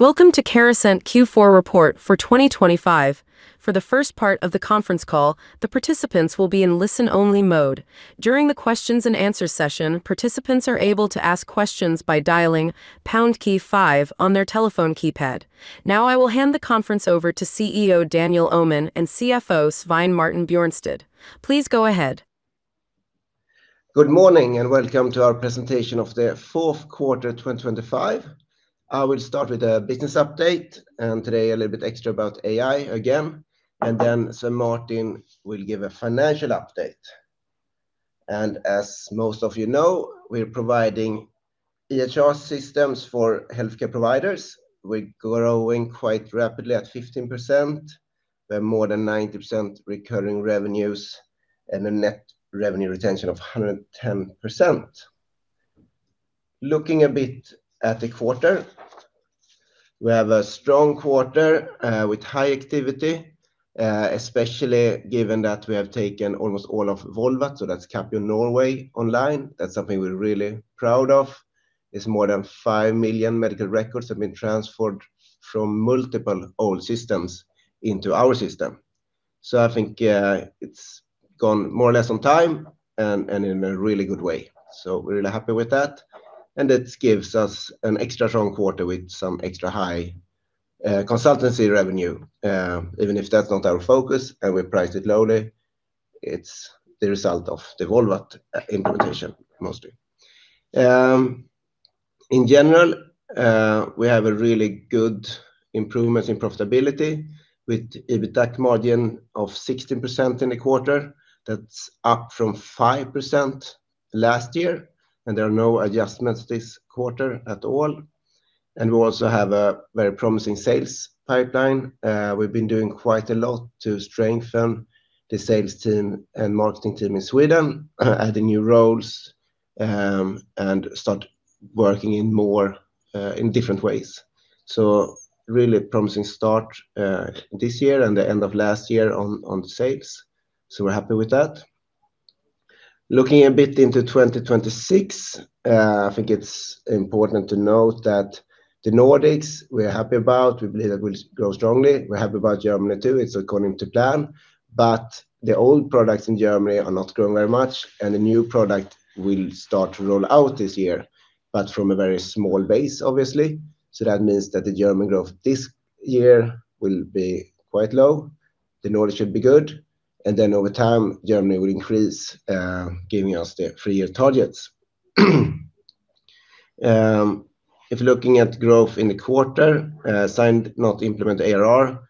Welcome to Carasent Q4 report for 2025. For the first part of the conference call, the participants will be in listen-only mode. During the questions and answer session, participants are able to ask questions by dialing pound key five on their telephone keypad. Now, I will hand the conference over to CEO Daniel Öhman and CFO Svein Martin Bjørnstad. Please go ahead. Good morning, and welcome to our presentation of the fourth quarter, 2025. I will start with a business update, and today a little bit extra about AI again, and then Svein Martin will give a financial update. As most of you know, we're providing EHR systems for healthcare providers. We're growing quite rapidly at 15%. We have more than 90% recurring revenues and a net revenue retention of 110%. Looking a bit at the quarter, we have a strong quarter with high activity, especially given that we have taken almost all of Volvat, so that's Capio Norway online. That's something we're really proud of. It's more than 5 million medical records have been transferred from multiple old systems into our system. So I think, it's gone more or less on time and in a really good way. So we're really happy with that, and it gives us an extra strong quarter with some extra high consultancy revenue. Even if that's not our focus and we price it lowly, it's the result of the Volvat implementation, mostly. In general, we have a really good improvements in profitability with EBITDA margin of 16% in the quarter. That's up from 5% last year, and there are no adjustments this quarter at all. We also have a very promising sales pipeline. We've been doing quite a lot to strengthen the sales team and marketing team in Sweden, adding new roles, and start working in more, in different ways. So really promising start, this year and the end of last year on sales, so we're happy with that. Looking a bit into 2026, I think it's important to note that the Nordics, we're happy about. We believe that will grow strongly. We're happy about Germany, too. It's according to plan, but the old products in Germany are not growing very much, and the new product will start to roll out this year, but from a very small base, obviously. So that means that the German growth this year will be quite low. The Nordics should be good, and then over time, Germany will increase, giving us the three-year targets. If you're looking at growth in the quarter, signed not implement ARR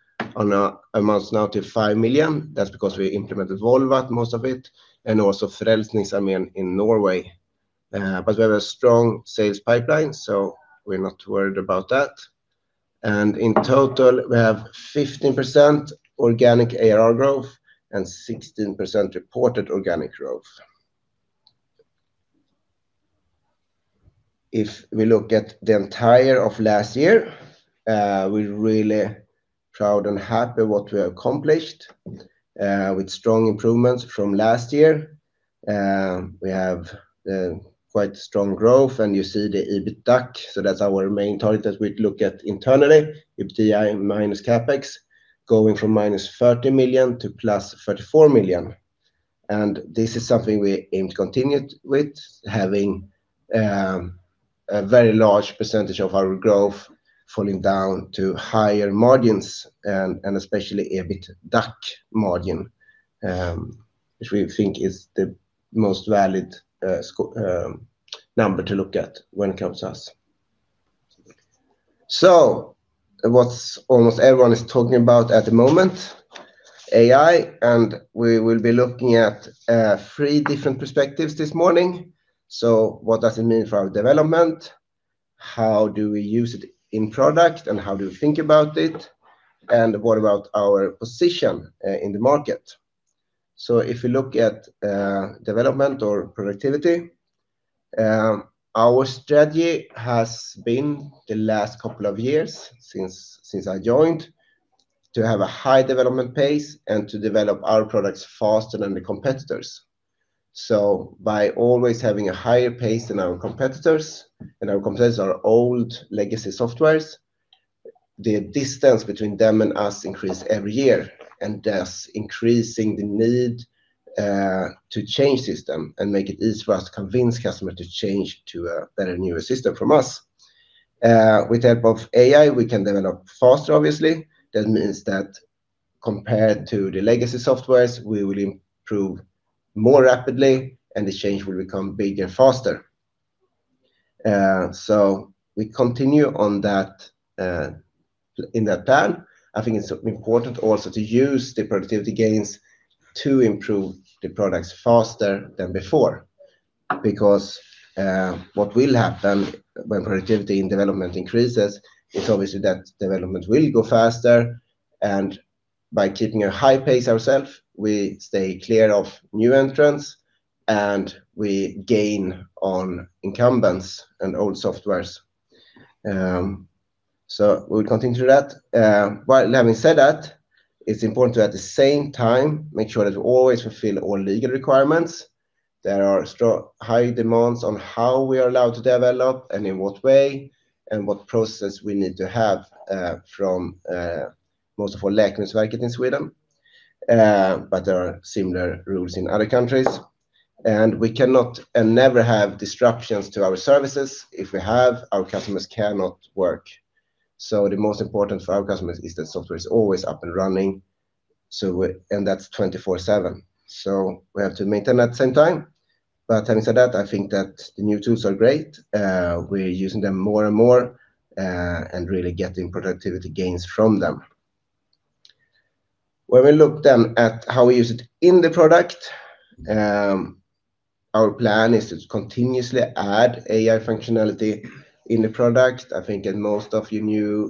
amounts now to 5 million. That's because we implemented Volvat, most of it, and also Frelsesarmeen in Norway. But we have a strong sales pipeline, so we're not worried about that. In total, we have 15% organic ARR growth and 16% reported organic growth. If we look at the entirety of last year, we're really proud and happy with what we have accomplished, with strong improvements from last year. We have quite strong growth, and you see the EBITDAC, so that's our main target that we look at internally, EBITDA minus CapEx, going from -30 million to +34 million. This is something we aim to continue with, having a very large percentage of our growth falling down to higher margins and especially EBITDAC margin, which we think is the most valid number to look at when it comes to us. What's almost everyone is talking about at the moment, AI, and we will be looking at three different perspectives this morning. So what does it mean for our development? How do we use it in product, and how do we think about it? And what about our position in the market? So if you look at development or productivity, our strategy has been the last couple of years since I joined, to have a high development pace and to develop our products faster than the competitors. So by always having a higher pace than our competitors, and our competitors are old legacy softwares, the distance between them and us increase every year, and thus increasing the need to change system and make it easy for us to convince customers to change to a better, newer system from us. With help of AI, we can develop faster, obviously. That means that compared to the legacy softwares, we will improve more rapidly, and the change will become bigger, faster. We continue on that, in that plan. I think it's important also to use the productivity gains to improve the products faster than before, because what will happen when productivity and development increases is obviously that development will go faster, and by keeping a high pace ourselves, we stay clear of new entrants, and we gain on incumbents and old softwares. We'll continue that. But having said that, it's important to, at the same time, make sure that we always fulfill all legal requirements. There are strong, high demands on how we are allowed to develop and in what way, and what process we need to have, from, most of all, Läkemedelsverket in Sweden. But there are similar rules in other countries, and we cannot and never have disruptions to our services. If we have, our customers cannot work. So the most important for our customers is that software is always up and running, and that's 24/7. So we have to maintain that same time. But having said that, I think that the new tools are great. We're using them more and more, and really getting productivity gains from them. When we look then at how we use it in the product, our plan is to continuously add AI functionality in the product. I think that most of you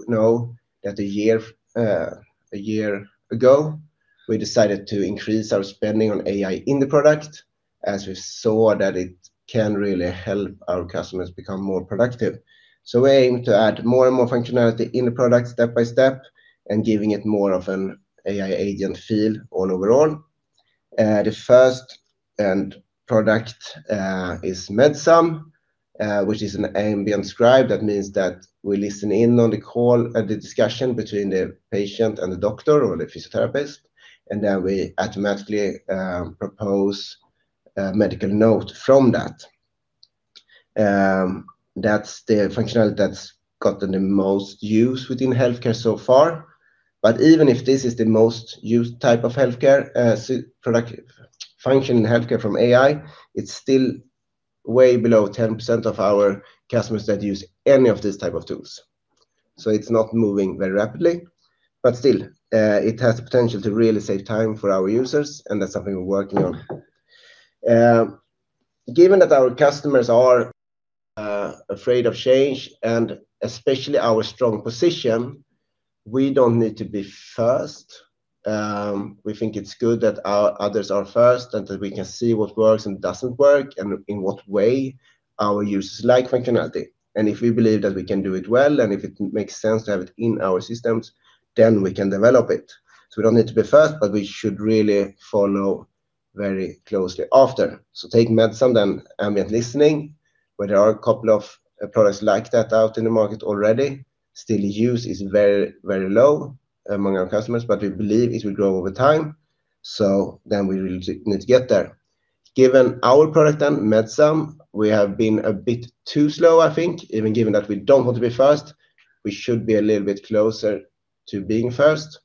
know that a year ago, we decided to increase our spending on AI in the product, as we saw that it can really help our customers become more productive. So we aim to add more and more functionality in the product step by step and giving it more of an AI agent feel all overall. The first end product is Medsom, which is an ambient scribe. That means that we listen in on the call, the discussion between the patient and the doctor or the physiotherapist, and then we automatically propose a medical note from that. That's the functionality that's gotten the most use within healthcare so far, but even if this is the most used type of healthcare, so productive function in healthcare from AI, it's still way below 10% of our customers that use any of these type of tools. So it's not moving very rapidly, but still, it has the potential to really save time for our users, and that's something we're working on. Given that our customers are afraid of change and especially our strong position, we don't need to be first. We think it's good that our others are first, and that we can see what works and doesn't work, and in what way our users like functionality. And if we believe that we can do it well, and if it makes sense to have it in our systems, then we can develop it. So we don't need to be first, but we should really follow very closely after. So taking Medsom, then ambient listening, where there are a couple of products like that out in the market already, still, use is very, very low among our customers, but we believe it will grow over time. So then we really need to get there. Given our product, then Medsom, we have been a bit too slow, I think, even given that we don't want to be first, we should be a little bit closer to being first.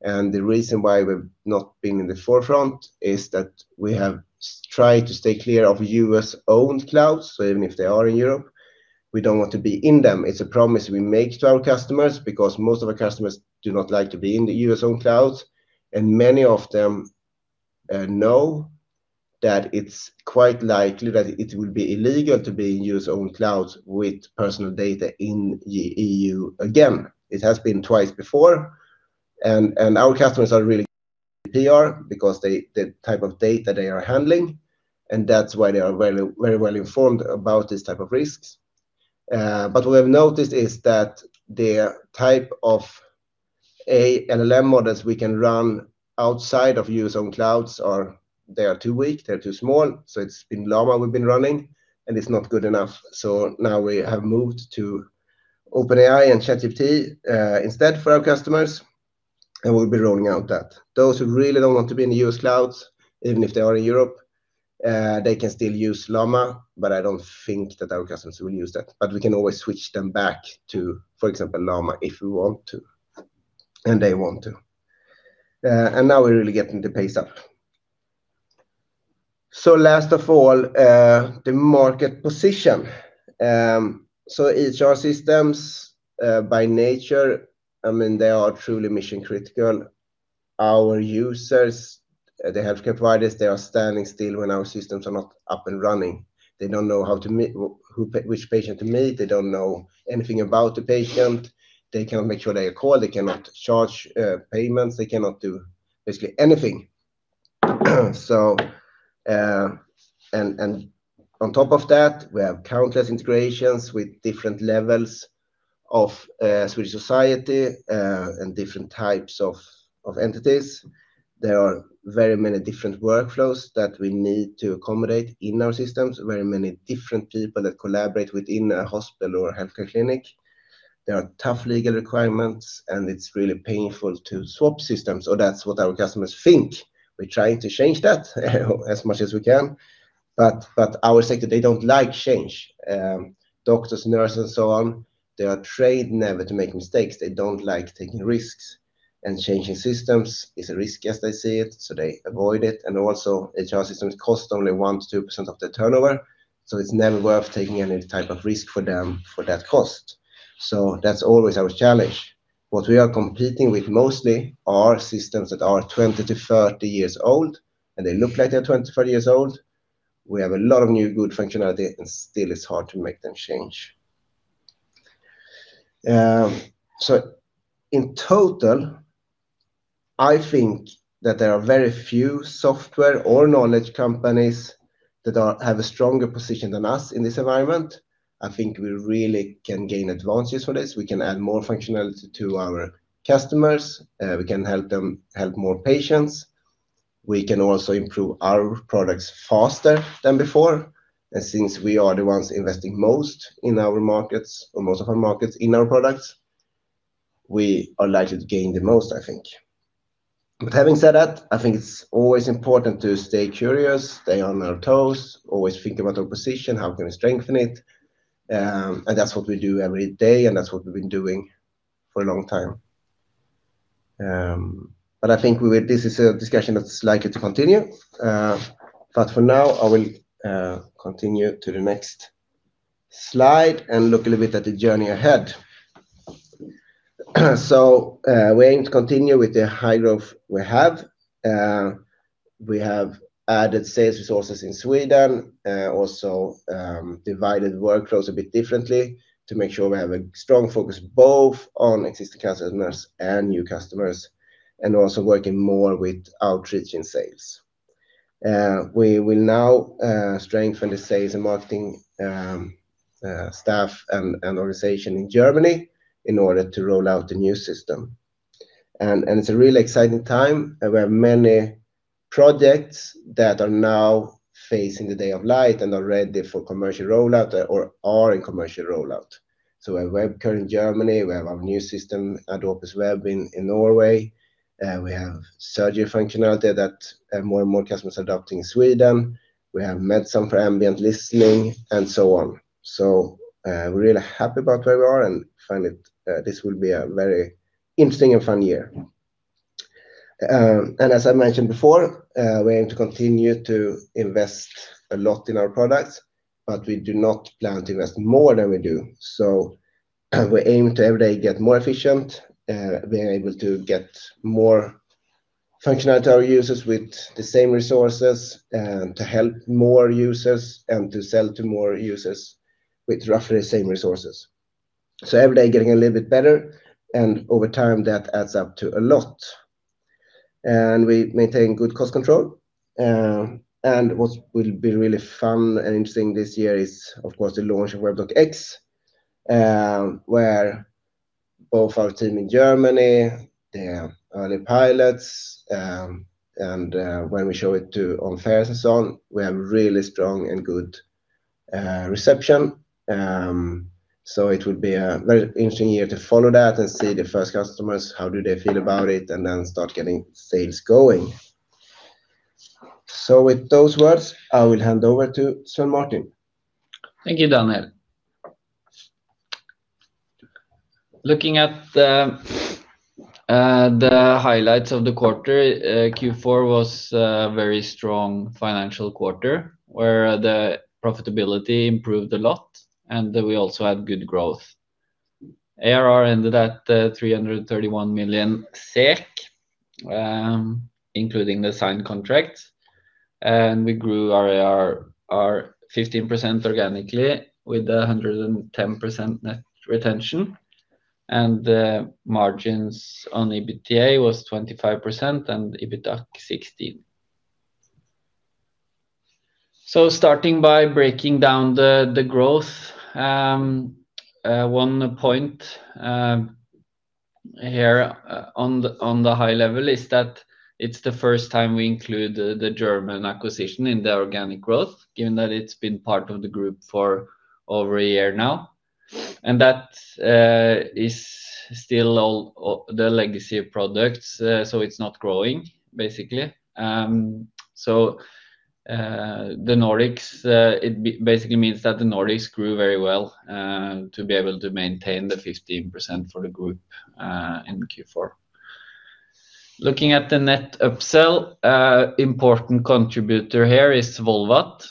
The reason why we've not been in the forefront is that we have tried to stay clear of U.S.-owned clouds. Even if they are in Europe, we don't want to be in them. It's a promise we make to our customers because most of our customers do not like to be in the U.S.-owned clouds, and many of them know that it's quite likely that it will be illegal to be in U.S.-owned clouds with personal data in the EU again. It has been twice before, and our customers are really, PR, because they, the type of data they are handling, and that's why they are very, very well informed about these type of risks. But what we have noticed is that the type of a LLM models we can run outside of U.S.-owned clouds are, they are too weak, they are too small, so it's been Llama we've been running, and it's not good enough. So now we have moved to OpenAI and ChatGPT, instead for our customers, and we'll be rolling out that. Those who really don't want to be in the U.S. clouds, even if they are in Europe, they can still use Llama, but I don't think that our customers will use that. But we can always switch them back to, for example, Llama, if we want to, and they want to. And now we're really getting the pace up. So last of all, the market position. So EHR systems, by nature, I mean, they are truly mission-critical. Our users, the healthcare providers, they are standing still when our systems are not up and running. They don't know how to meet, who, which patient to meet. They don't know anything about the patient. They cannot make sure they are called, they cannot charge payments, they cannot do basically anything. So, and on top of that, we have countless integrations with different levels of Swedish society, and different types of entities. There are very many different workflows that we need to accommodate in our systems. Very many different people that collaborate within a hospital or a healthcare clinic. There are tough legal requirements, and it's really painful to swap systems, or that's what our customers think. We're trying to change that as much as we can, but our sector, they don't like change. Doctors, nurses, and so on, they are trained never to make mistakes. They don't like taking risks, and changing systems is a risk as they see it, so they avoid it. And also, EHR systems cost only 1%-2% of the turnover, so it's never worth taking any type of risk for them for that cost. So that's always our challenge. What we are competing with mostly are systems that are 20-30 years old, and they look like they are 20-30 years old. We have a lot of new good functionality, and still it's hard to make them change. So in total, I think that there are very few software or knowledge companies that are, have a stronger position than us in this environment. I think we really can gain advantages for this. We can add more functionality to our customers, we can help them help more patients. We can also improve our products faster than before, and since we are the ones investing most in our markets, or most of our markets in our products, we are likely to gain the most, I think. But having said that, I think it's always important to stay curious, stay on our toes, always think about our position, how can we strengthen it? And that's what we do every day, and that's what we've been doing for a long time. But I think we will. This is a discussion that's likely to continue. But for now, I will continue to the next slide and look a little bit at the journey ahead. So, we aim to continue with the high growth we have. We have added sales resources in Sweden, also, divided workflows a bit differently to make sure we have a strong focus both on existing customers and new customers, and also working more with outreach and sales. We will now strengthen the sales and marketing staff and organization in Germany in order to roll out the new system. And it's a really exciting time, and we have many projects that are now seeing the light of day and are ready for commercial rollout or are in commercial rollout. So we have WebCare in Germany, we have our new system, Adopus Web in Norway, we have surgery functionality that more and more customers are adopting in Sweden. We have Medsom for ambient listening and so on. So, we're really happy about where we are and find it this will be a very interesting and fun year. And as I mentioned before, we aim to continue to invest a lot in our products, but we do not plan to invest more than we do. So, we aim to every day get more efficient, being able to get more functionality to our users with the same resources, and to help more users, and to sell to more users with roughly the same resources. So every day, getting a little bit better, and over time, that adds up to a lot. And we maintain good cost control. What will be really fun and interesting this year is, of course, the launch of Webdoc X, where both our team in Germany, the early pilots, and when we show it to on fairs and so on, we have really strong and good reception. It would be a very interesting year to follow that and see the first customers, how do they feel about it, and then start getting sales going. With those words, I will hand over to Svein Martin. Thank you, Daniel. Looking at the highlights of the quarter, Q4 was a very strong financial quarter, where the profitability improved a lot, and we also had good growth. ARR ended at 331 million SEK, including the signed contract, and we grew our ARR 15% organically with 110% net retention, and the margins on EBITDA was 25% and EBITDAC 16%. So starting by breaking down the growth, one point here on the high level is that it's the first time we include the German acquisition in the organic growth, given that it's been part of the group for over a year now. And that is still all the legacy of products, so it's not growing, basically. So, the Nordics basically means that the Nordics grew very well to be able to maintain the 15% for the group in Q4. Looking at the net upsell, important contributor here is Volvat.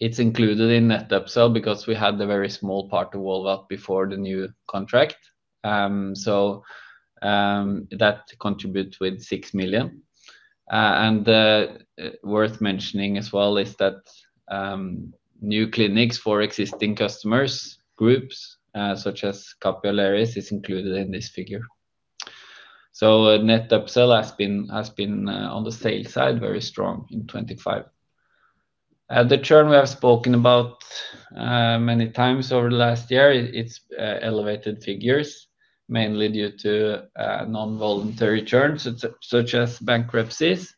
It's included in net upsell because we had the very small part of Volvat before the new contract. So, that contributes with 6 million. And, worth mentioning as well is that, new clinics for existing customers, groups, such as Capio, is included in this figure. So net upsell has been on the sales side, very strong in 2025. The churn we have spoken about many times over the last year, it's elevated figures, mainly due to non-voluntary churn, such as bankruptcies,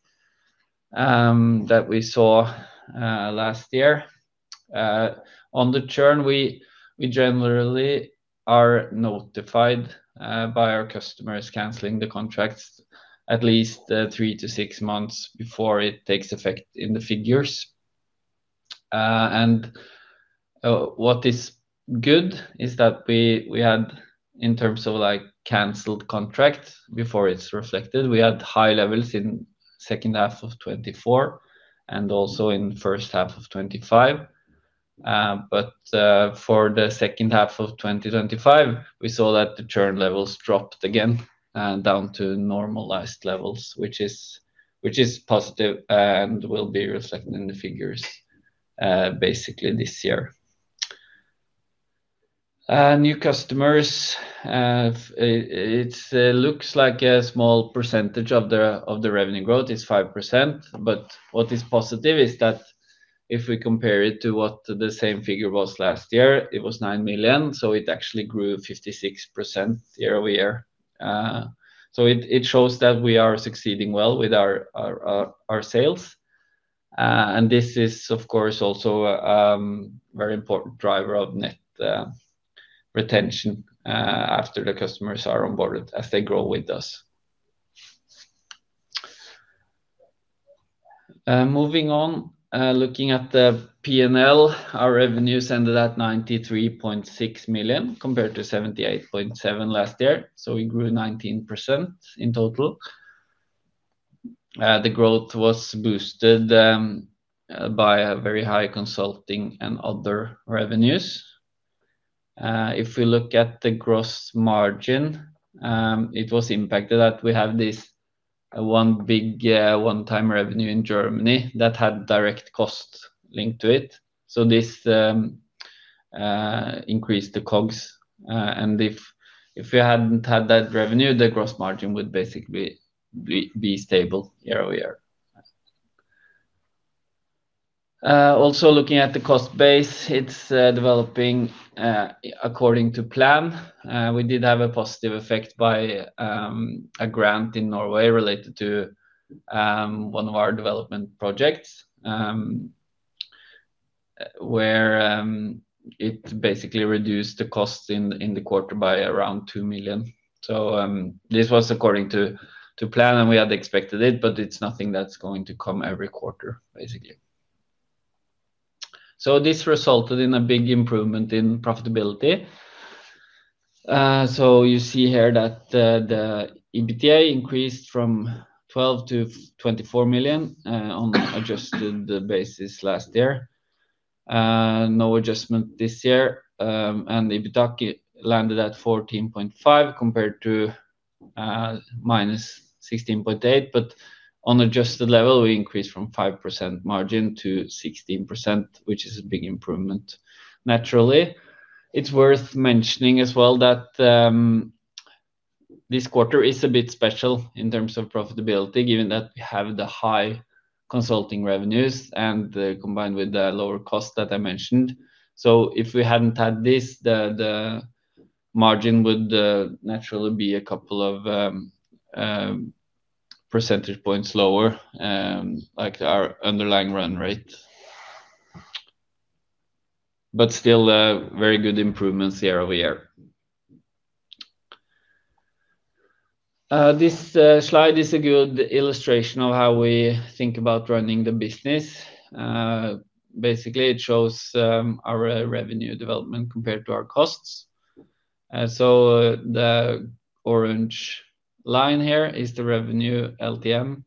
that we saw last year. On the churn, we generally are notified by our customers canceling the contracts at least three to six months before it takes effect in the figures. What is good is that we had, in terms of like canceled contracts before it's reflected, we had high levels in second half of 2024 and also in first half of 2025. But for the second half of 2025, we saw that the churn levels dropped again down to normalized levels, which is positive and will be reflected in the figures basically this year. New customers, it looks like a small percentage of the revenue growth is 5%. But what is positive is that if we compare it to what the same figure was last year, it was 9 million, so it actually grew 56% year-over-year. So it shows that we are succeeding well with our sales. And this is, of course, also very important driver of net retention after the customers are onboarded, as they grow with us. Moving on, looking at the P&L, our revenues ended at 93.6 million, compared to 78.7 million last year, so we grew 19% in total. The growth was boosted by a very high consulting and other revenues. If we look at the gross margin, it was impacted that we have this one big one-time revenue in Germany that had direct costs linked to it. So this increased the COGS. And if we hadn't had that revenue, the gross margin would basically be stable year-over-year. Also looking at the cost base, it's developing according to plan. We did have a positive effect by a grant in Norway related to one of our development projects, where it basically reduced the costs in the quarter by around 2 million. So this was according to plan, and we had expected it, but it's nothing that's going to come every quarter, basically. So this resulted in a big improvement in profitability. So you see here that the EBITDA increased from 12 million to 24 million, on an adjusted basis last year. No adjustment this year, and the EBITDA landed at SEK 14.5%, compared to SEK -16.8%. But on adjusted level, we increased from 5% margin to 16%, which is a big improvement. Naturally, it's worth mentioning as well that this quarter is a bit special in terms of profitability, given that we have the high consulting revenues and combined with the lower cost that I mentioned. So if we hadn't had this, the margin would naturally be a couple of percentage points lower, like our underlying run rate. But still, very good improvements year-over-year. This slide is a good illustration of how we think about running the business. Basically, it shows our revenue development compared to our costs. The orange line here is the revenue LTM,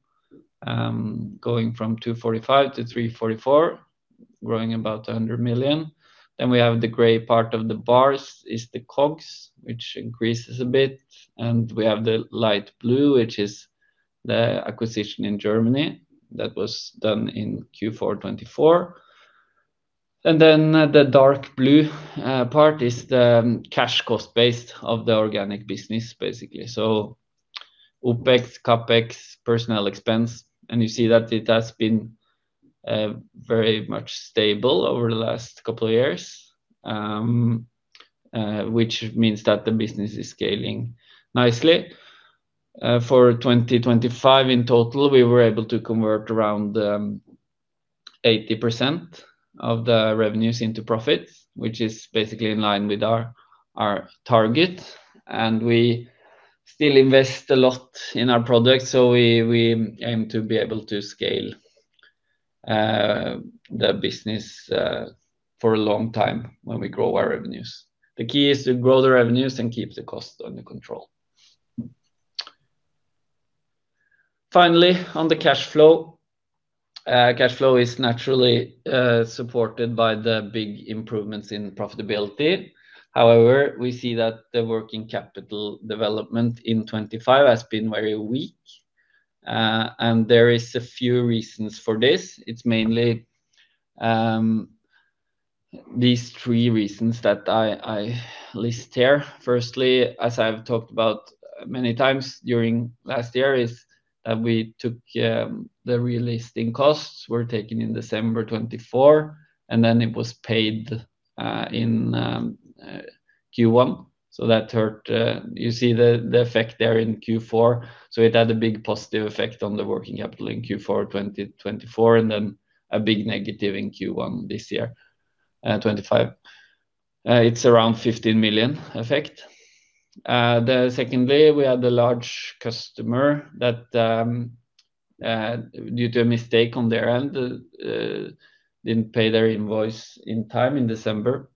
going from 245 million to 344 million, growing about 100 million. We have the gray part of the bars is the COGS, which increases a bit, and we have the light blue, which is the acquisition in Germany. That was done in Q4 2024. The dark blue part is the cash cost base of the organic business, basically. OpEx, CapEx, personnel expense, and you see that it has been very much stable over the last couple of years, which means that the business is scaling nicely. For 2025 in total, we were able to convert around 80% of the revenues into profits, which is basically in line with our target, and we still invest a lot in our products, so we aim to be able to scale the business for a long time when we grow our revenues. The key is to grow the revenues and keep the costs under control. Finally, on the cash flow. Cash flow is naturally supported by the big improvements in profitability. However, we see that the working capital development in 2025 has been very weak, and there is a few reasons for this. It's mainly these three reasons that I list here. Firstly, as I've talked about many times during last year, is that we took, the relisting costs were taken in December 2024, and then it was paid in Q1. So that hurt, you see the effect there in Q4. So it had a big positive effect on the working capital in Q4 2024, and then a big negative in Q1 this year, 2025. It's around 15 million effect. Secondly, we had a large customer that, due to a mistake on their end, didn't pay their invoice in time in December.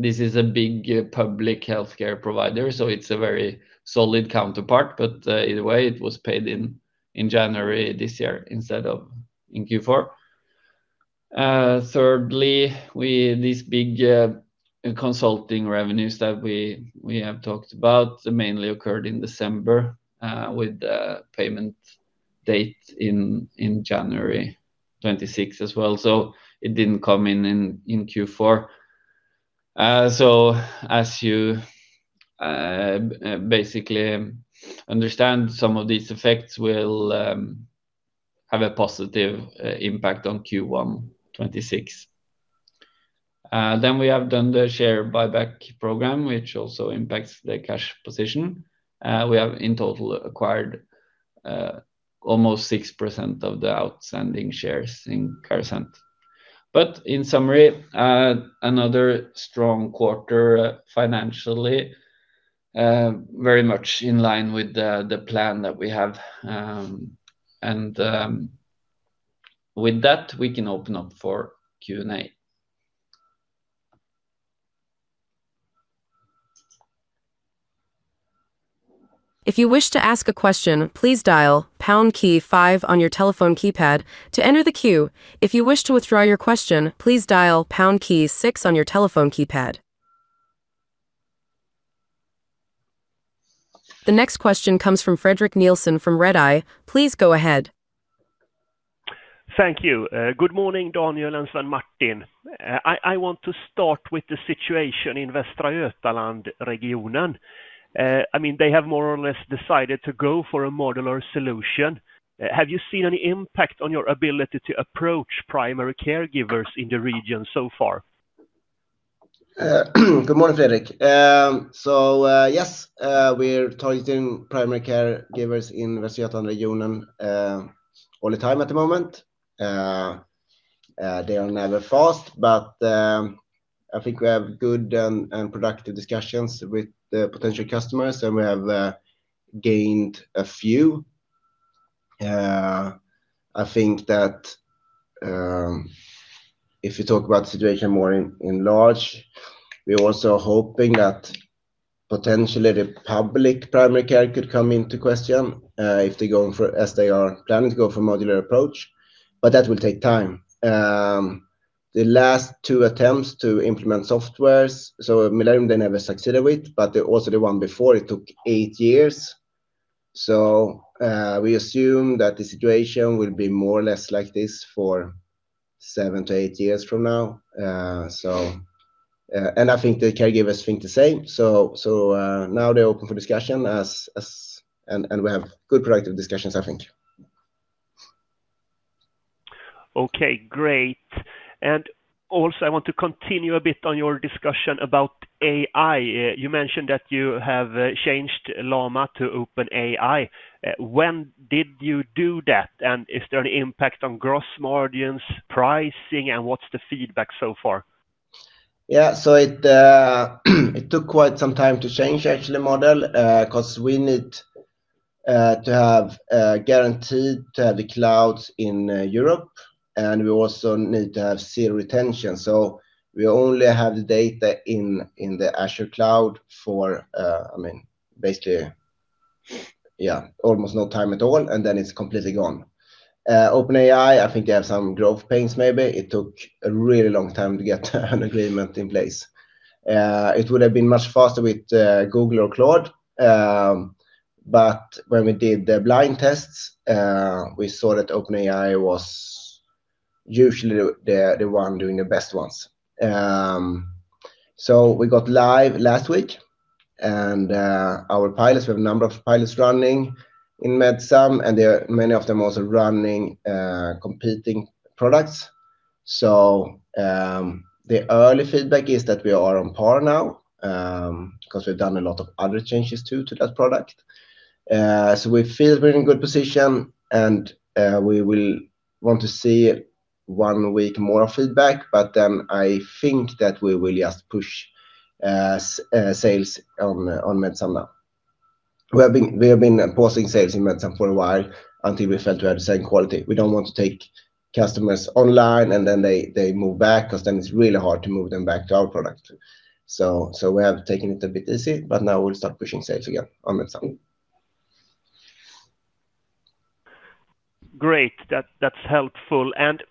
This is a big public healthcare provider, so it's a very solid counterpart, but either way, it was paid in January this year instead of in Q4. Thirdly, these big consulting revenues that we have talked about mainly occurred in December with the payment date in January 2026 as well. So it didn't come in Q4. So as you basically understand, some of these effects will have a positive impact on Q1 2026. Then we have done the share buyback program, which also impacts the cash position. We have in total acquired almost 6% of the outstanding shares in Carasent. But in summary, another strong quarter financially, very much in line with the plan that we have. And with that, we can open up for Q&A. If you wish to ask a question, please dial pound key five on your telephone keypad to enter the queue. If you wish to withdraw your question, please dial pound key six on your telephone keypad. The next question comes from Fredrik Nilsson from Redeye. Please go ahead. Thank you. Good morning, Daniel and Svein Martin. I want to start with the situation in Västra Götalandsregionen. I mean, they have more or less decided to go for a modular solution. Have you seen any impact on your ability to approach primary caregivers in the region so far? Good morning, Fredrik. So, yes, we're targeting primary caregivers in Västra Götaland region all the time at the moment. They are never fast, but I think we have good and productive discussions with the potential customers, and we have gained a few. I think that if you talk about the situation more in large, we are also hoping that potentially the public primary care could come into question if they're going for as they are planning to go for modular approach, but that will take time. The last two attempts to implement softwares, so Millennium, they never succeeded with, but also the one before, it took eight years. So, we assume that the situation will be more or less like this for seven to eight years from now. So, and I think the caregivers think the same. So, now they're open for discussion, and we have good productive discussions, I think. Okay, great. And also, I want to continue a bit on your discussion about AI. You mentioned that you have changed Llama to OpenAI. When did you do that, and is there any impact on gross margins, pricing, and what's the feedback so far? Yeah. So it took quite some time to change actually model, 'cause we need to have guaranteed the clouds in Europe, and we also need to have zero retention. So we only have the data in the Azure cloud for, I mean, basically, yeah, almost no time at all, and then it's completely gone. OpenAI, I think they have some growth pains, maybe. It took a really long time to get an agreement in place. It would have been much faster with Google or Claude, but when we did the blind tests, we saw that OpenAI was usually the one doing the best ones. So we got live last week, and our pilots, we have a number of pilots running in Medsom, and there are many of them also running competing products. So, the early feedback is that we are on par now, 'cause we've done a lot of other changes, too, to that product. So we feel we're in a good position, and we will want to see one week more of feedback, but then I think that we will just push sales on Medsom now. We have been pausing sales in Medsom for a while until we felt we had the same quality. We don't want to take customers online, and then they move back, 'cause then it's really hard to move them back to our product. So we have taken it a bit easy, but now we'll start pushing sales again on Medsom. Great. That, that's helpful. And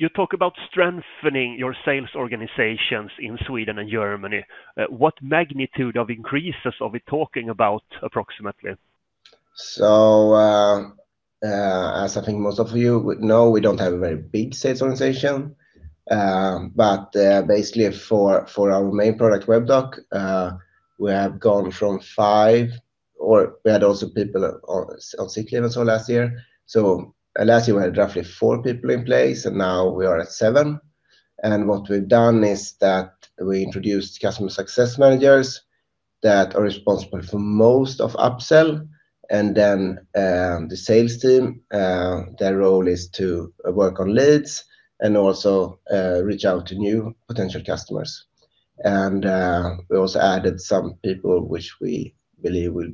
you talk about strengthening your sales organizations in Sweden and Germany. What magnitude of increases are we talking about approximately? So, as I think most of you would know, we don't have a very big sales organization. But basically, for our main product, Webdoc, we have gone from five or we had also people on sick leave and so last year. So last year, we had roughly four people in place, and now we are at seven. And what we've done is that we introduced customer success managers that are responsible for most of upsell, and then, the sales team, their role is to work on leads and also, reach out to new potential customers. And, we also added some people which we believe will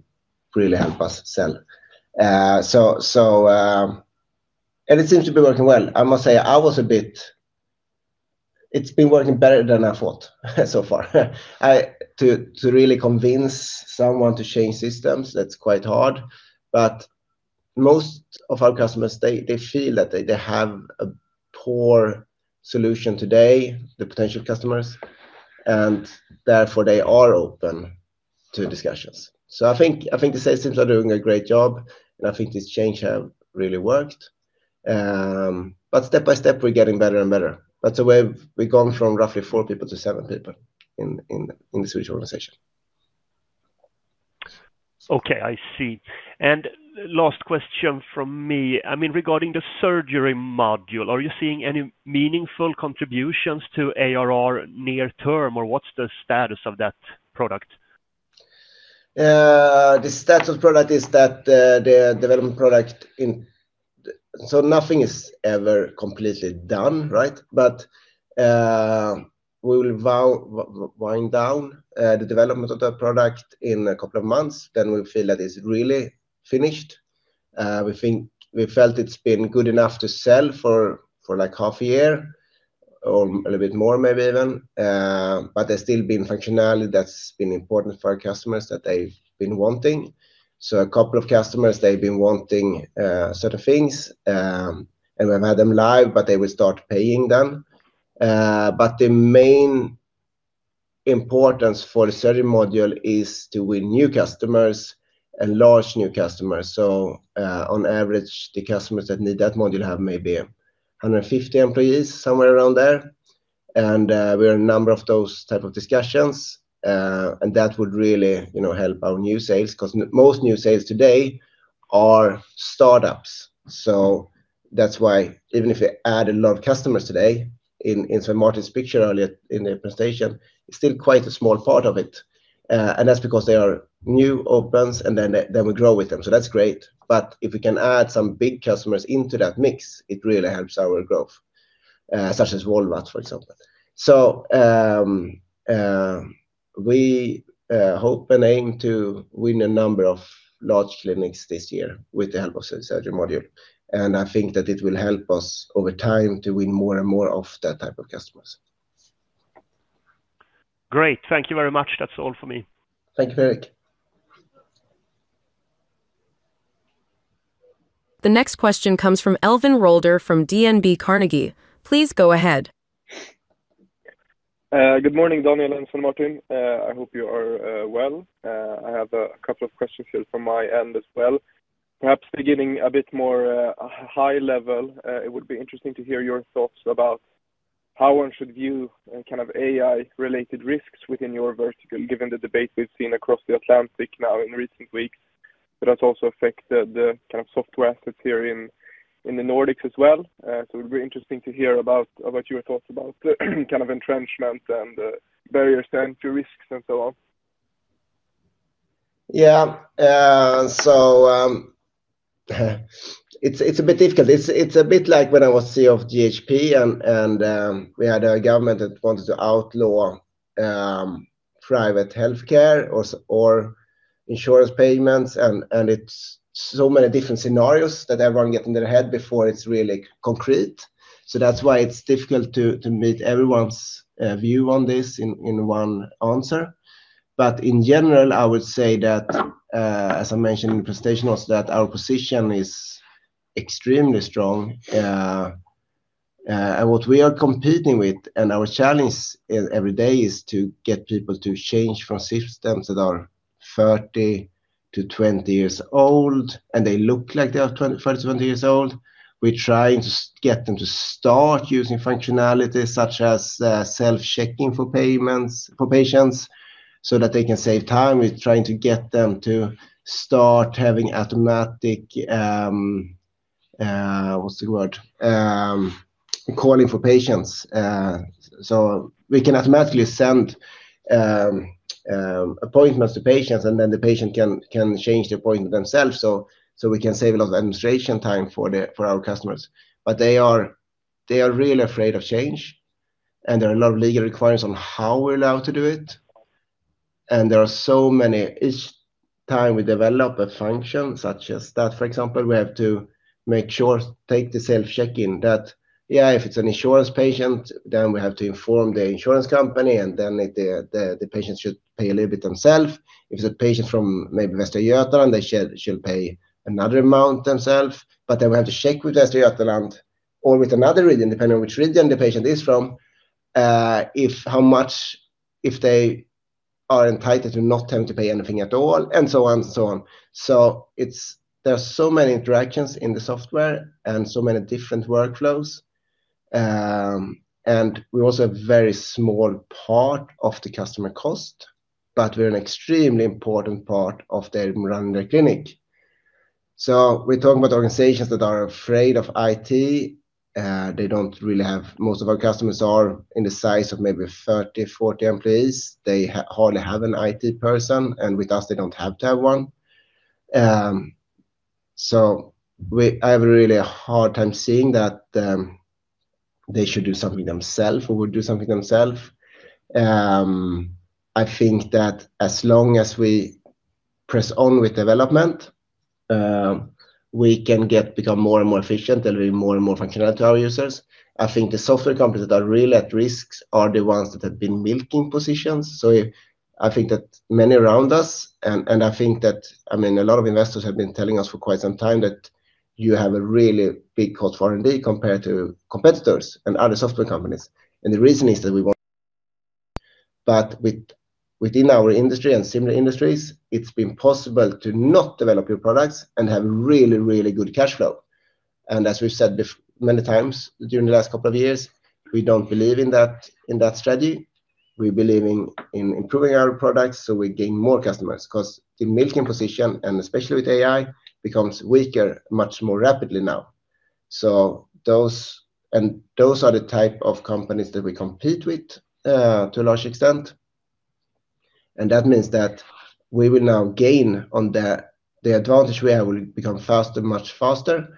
really help us sell. And it seems to be working well. I must say, I was a bit, it's been working better than I thought so far. To really convince someone to change systems, that's quite hard. But most of our customers, they feel that they have a poor solution today, the potential customers, and therefore they are open to discussions. So I think the sales teams are doing a great job, and I think this change have really worked. But step by step, we're getting better and better. That's the way we've gone from roughly four people to seven people in the Swedish organization. Okay, I see. And last question from me. I mean, regarding the surgery module, are you seeing any meaningful contributions to ARR near term, or what's the status of that product? The status of the product is that the development of the product, so nothing is ever completely done, right? But we will wind down the development of that product in a couple of months; then we feel that it's really finished. We think, we felt it's been good enough to sell for like half a year or a little bit more maybe even, but there's still been functionality that's been important for our customers that they've been wanting. So a couple of customers, they've been wanting certain things, and we've had them live, but they will start paying them. But the main importance for the surgery module is to win new customers and large new customers. So on average, the customers that need that module have maybe 150 employees, somewhere around there. We have a number of those type of discussions, and that would really, you know, help our new sales, 'cause most new sales today are startups. So that's why even if we add a lot of customers today, in Svein Martin's picture earlier in the presentation, it's still quite a small part of it, and that's because they are new opens, and then we grow with them. So that's great. But if we can add some big customers into that mix, it really helps our growth, such as Volvat, for example. So we hope and aim to win a number of large clinics this year with the help of the surgery module, and I think that it will help us over time to win more and more of that type of customers. Great. Thank you very much. That's all for me. Thank you, Fredrik. The next question comes from Albin Sandberg, from SB1 Markets. Please go ahead. Good morning, Daniel and Svein Martin. I hope you are well. I have a couple of questions here from my end as well. Perhaps beginning a bit more high level, it would be interesting to hear your thoughts about how one should view and kind of AI-related risks within your vertical, given the debate we've seen across the Atlantic now in recent weeks. That has also affected the kind of software assets here in the Nordics as well. So it would be interesting to hear about your thoughts about the kind of entrenchment and barriers and risks and so on. Yeah, so, it's a bit difficult. It's a bit like when I was CEO of GHP and we had a government that wanted to outlaw private healthcare or insurance payments, and it's so many different scenarios that everyone get in their head before it's really concrete. So that's why it's difficult to meet everyone's view on this in one answer. But in general, I would say that, as I mentioned in the presentation, was that our position is extremely strong. And what we are competing with and our challenge every day is to get people to change from systems that are 30-20 years old, and they look like they are 20, 30, 20 years old. We're trying to get them to start using functionalities such as self-checking for payments for patients so that they can save time. We're trying to get them to start having automatic calling for patients. So we can automatically send appointments to patients, and then the patient can change the appointment themselves, so we can save a lot of administration time for our customers. But they are really afraid of change, and there are a lot of legal requirements on how we're allowed to do it, and there are so many each time we develop a function such as that, for example, we have to make sure, take the self-check-in that, yeah, if it's an insurance patient, then we have to inform the insurance company, and then the patient should pay a little bit themselves. If it's a patient from maybe Västra Götaland, they should pay another amount themselves, but then we have to check with Västra Götaland or with another region, depending on which region the patient is from. If how much if they are entitled to not tend to pay anything at all, and so on and so on. So it's, there are so many interactions in the software and so many different workflows, and we're also a very small part of the customer cost, but we're an extremely important part of them running their clinic. So we're talking about organizations that are afraid of IT. They don't really have most of our customers are in the size of maybe 30, 40 employees. They hardly have an IT person, and with us, they don't have to have one. So I have a really hard time seeing that they should do something themselves or would do something themselves. I think that as long as we press on with development, we can become more and more efficient, delivering more and more functionality to our users. I think the software companies that are really at risk are the ones that have been milking positions. So I think that many around us, and I think that, I mean, a lot of investors have been telling us for quite some time that you have a really big cost for R&D compared to competitors and other software companies. And the reason is that within our industry and similar industries, it's been possible to not develop your products and have really, really good cash flow. And as we've said the many times during the last couple of years, we don't believe in that, in that strategy. We believe in improving our products, so we gain more customers. 'Cause the milking position, and especially with AI, becomes weaker, much more rapidly now. So those, and those are the type of companies that we compete with, to a large extent. And that means that we will now gain on the, the advantage we have will become faster, much faster.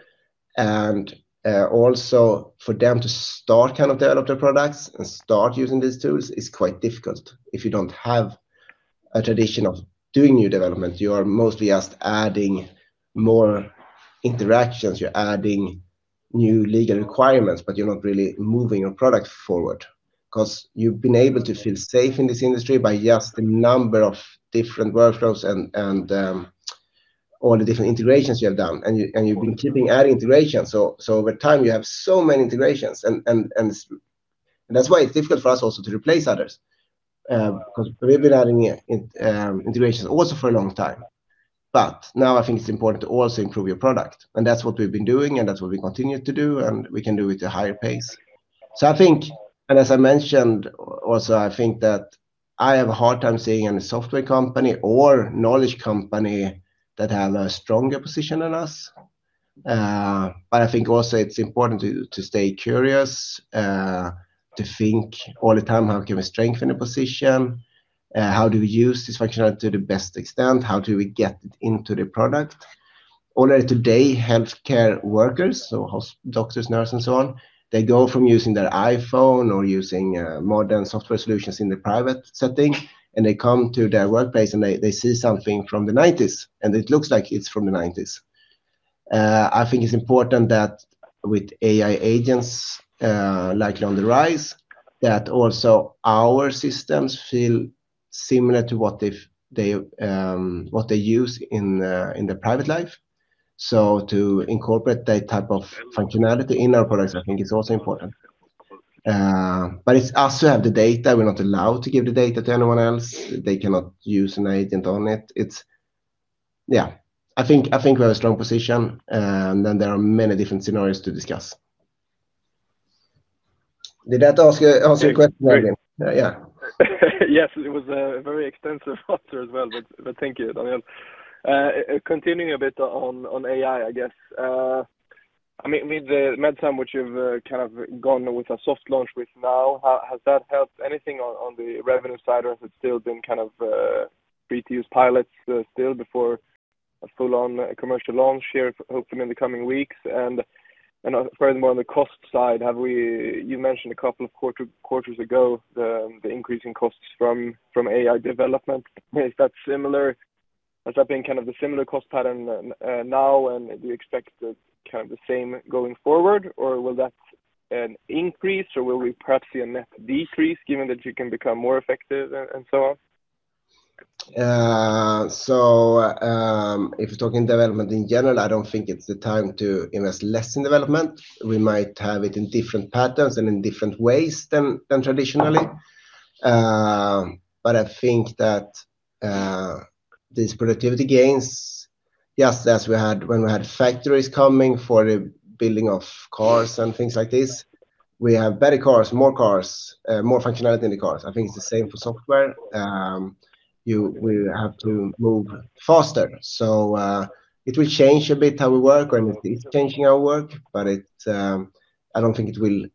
And also for them to start kind of develop their products and start using these tools is quite difficult. If you don't have a tradition of doing new development, you are mostly just adding more interactions, you're adding new legal requirements, but you're not really moving your product forward. 'Cause you've been able to feel safe in this industry by just the number of different workflows and all the different integrations you have done. And you've been keeping adding integrations, so over time, you have so many integrations and that's why it's difficult for us also to replace others. 'Cause we've been adding in integrations also for a long time. But now I think it's important to also improve your product, and that's what we've been doing, and that's what we continue to do, and we can do it at a higher pace. So I think, and as I mentioned, also, I think that I have a hard time seeing any software company or knowledge company that have a stronger position than us. But I think also it's important to stay curious, to think all the time, how can we strengthen the position? How do we use this functionality to the best extent? How do we get it into the product? Already today, healthcare workers, so doctors, nurses, and so on, they go from using their iPhone or using modern software solutions in the private setting, and they see something from the 1990s, and it looks like it's from the 1990s. I think it's important that with AI agents, likely on the rise, that also our systems feel similar to what they use in their, in their private life. So to incorporate that type of functionality in our products, I think is also important. But it's us who have the data. We're not allowed to give the data to anyone else. They cannot use an agent on it. It's, yeah, I think, I think we have a strong position, and then there are many different scenarios to discuss. Did that answer, answer your question, yeah? Yes, it was a very extensive answer as well, but thank you, Daniel. Continuing a bit on AI, I guess, I mean, with the Medsom, which you've kind of gone with a soft launch with now, has that helped anything on the revenue side, or has it still been kind of beta pilots, still before a full-on commercial launch here, hopefully in the coming weeks? And furthermore, on the cost side, you mentioned a couple of quarters ago, the increase in costs from AI development. Is that similar? Has that been kind of a similar cost pattern now, and do you expect kind of the same going forward, or will that an increase, or will we perhaps see a net decrease, given that you can become more effective and so on? So, if you're talking development in general, I don't think it's the time to invest less in development. We might have it in different patterns and in different ways than traditionally. But I think that these productivity gains, just as we had when we had factories coming for the building of cars and things like this, we have better cars, more cars, more functionality in the cars. I think it's the same for software. We have to move faster. So, it will change a bit how we work, and it is changing our work, but I don't think it will,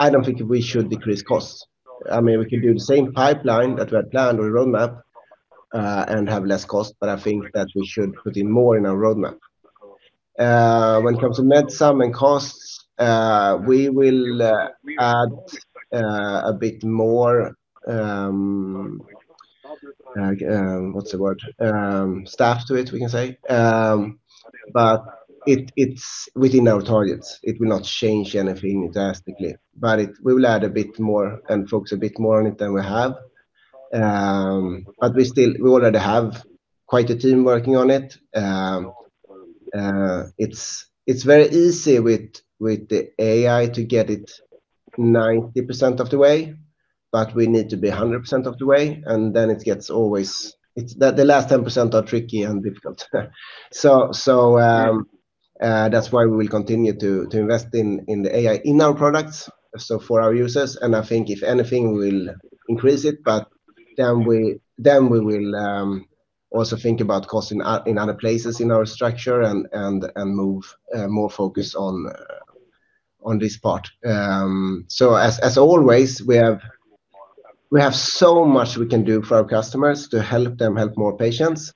I don't think we should decrease costs. I mean, we can do the same pipeline that we had planned on the roadmap, and have less cost, but I think that we should put in more in our roadmap. When it comes to Medsom and costs, we will add a bit more, what's the word? Staff to it, we can say. But it's within our targets. It will not change anything drastically, but we will add a bit more and focus a bit more on it than we have. But we already have quite a team working on it. It's very easy with the AI to get it 90% of the way, but we need to be 100% of the way, and then it always gets, it's the last 10% that are tricky and difficult. So, that's why we will continue to invest in the AI in our products, so for our users, and I think if anything, we will increase it, but then we will also think about costs in other places in our structure and move more focus on this part. So as always, we have so much we can do for our customers to help them help more patients,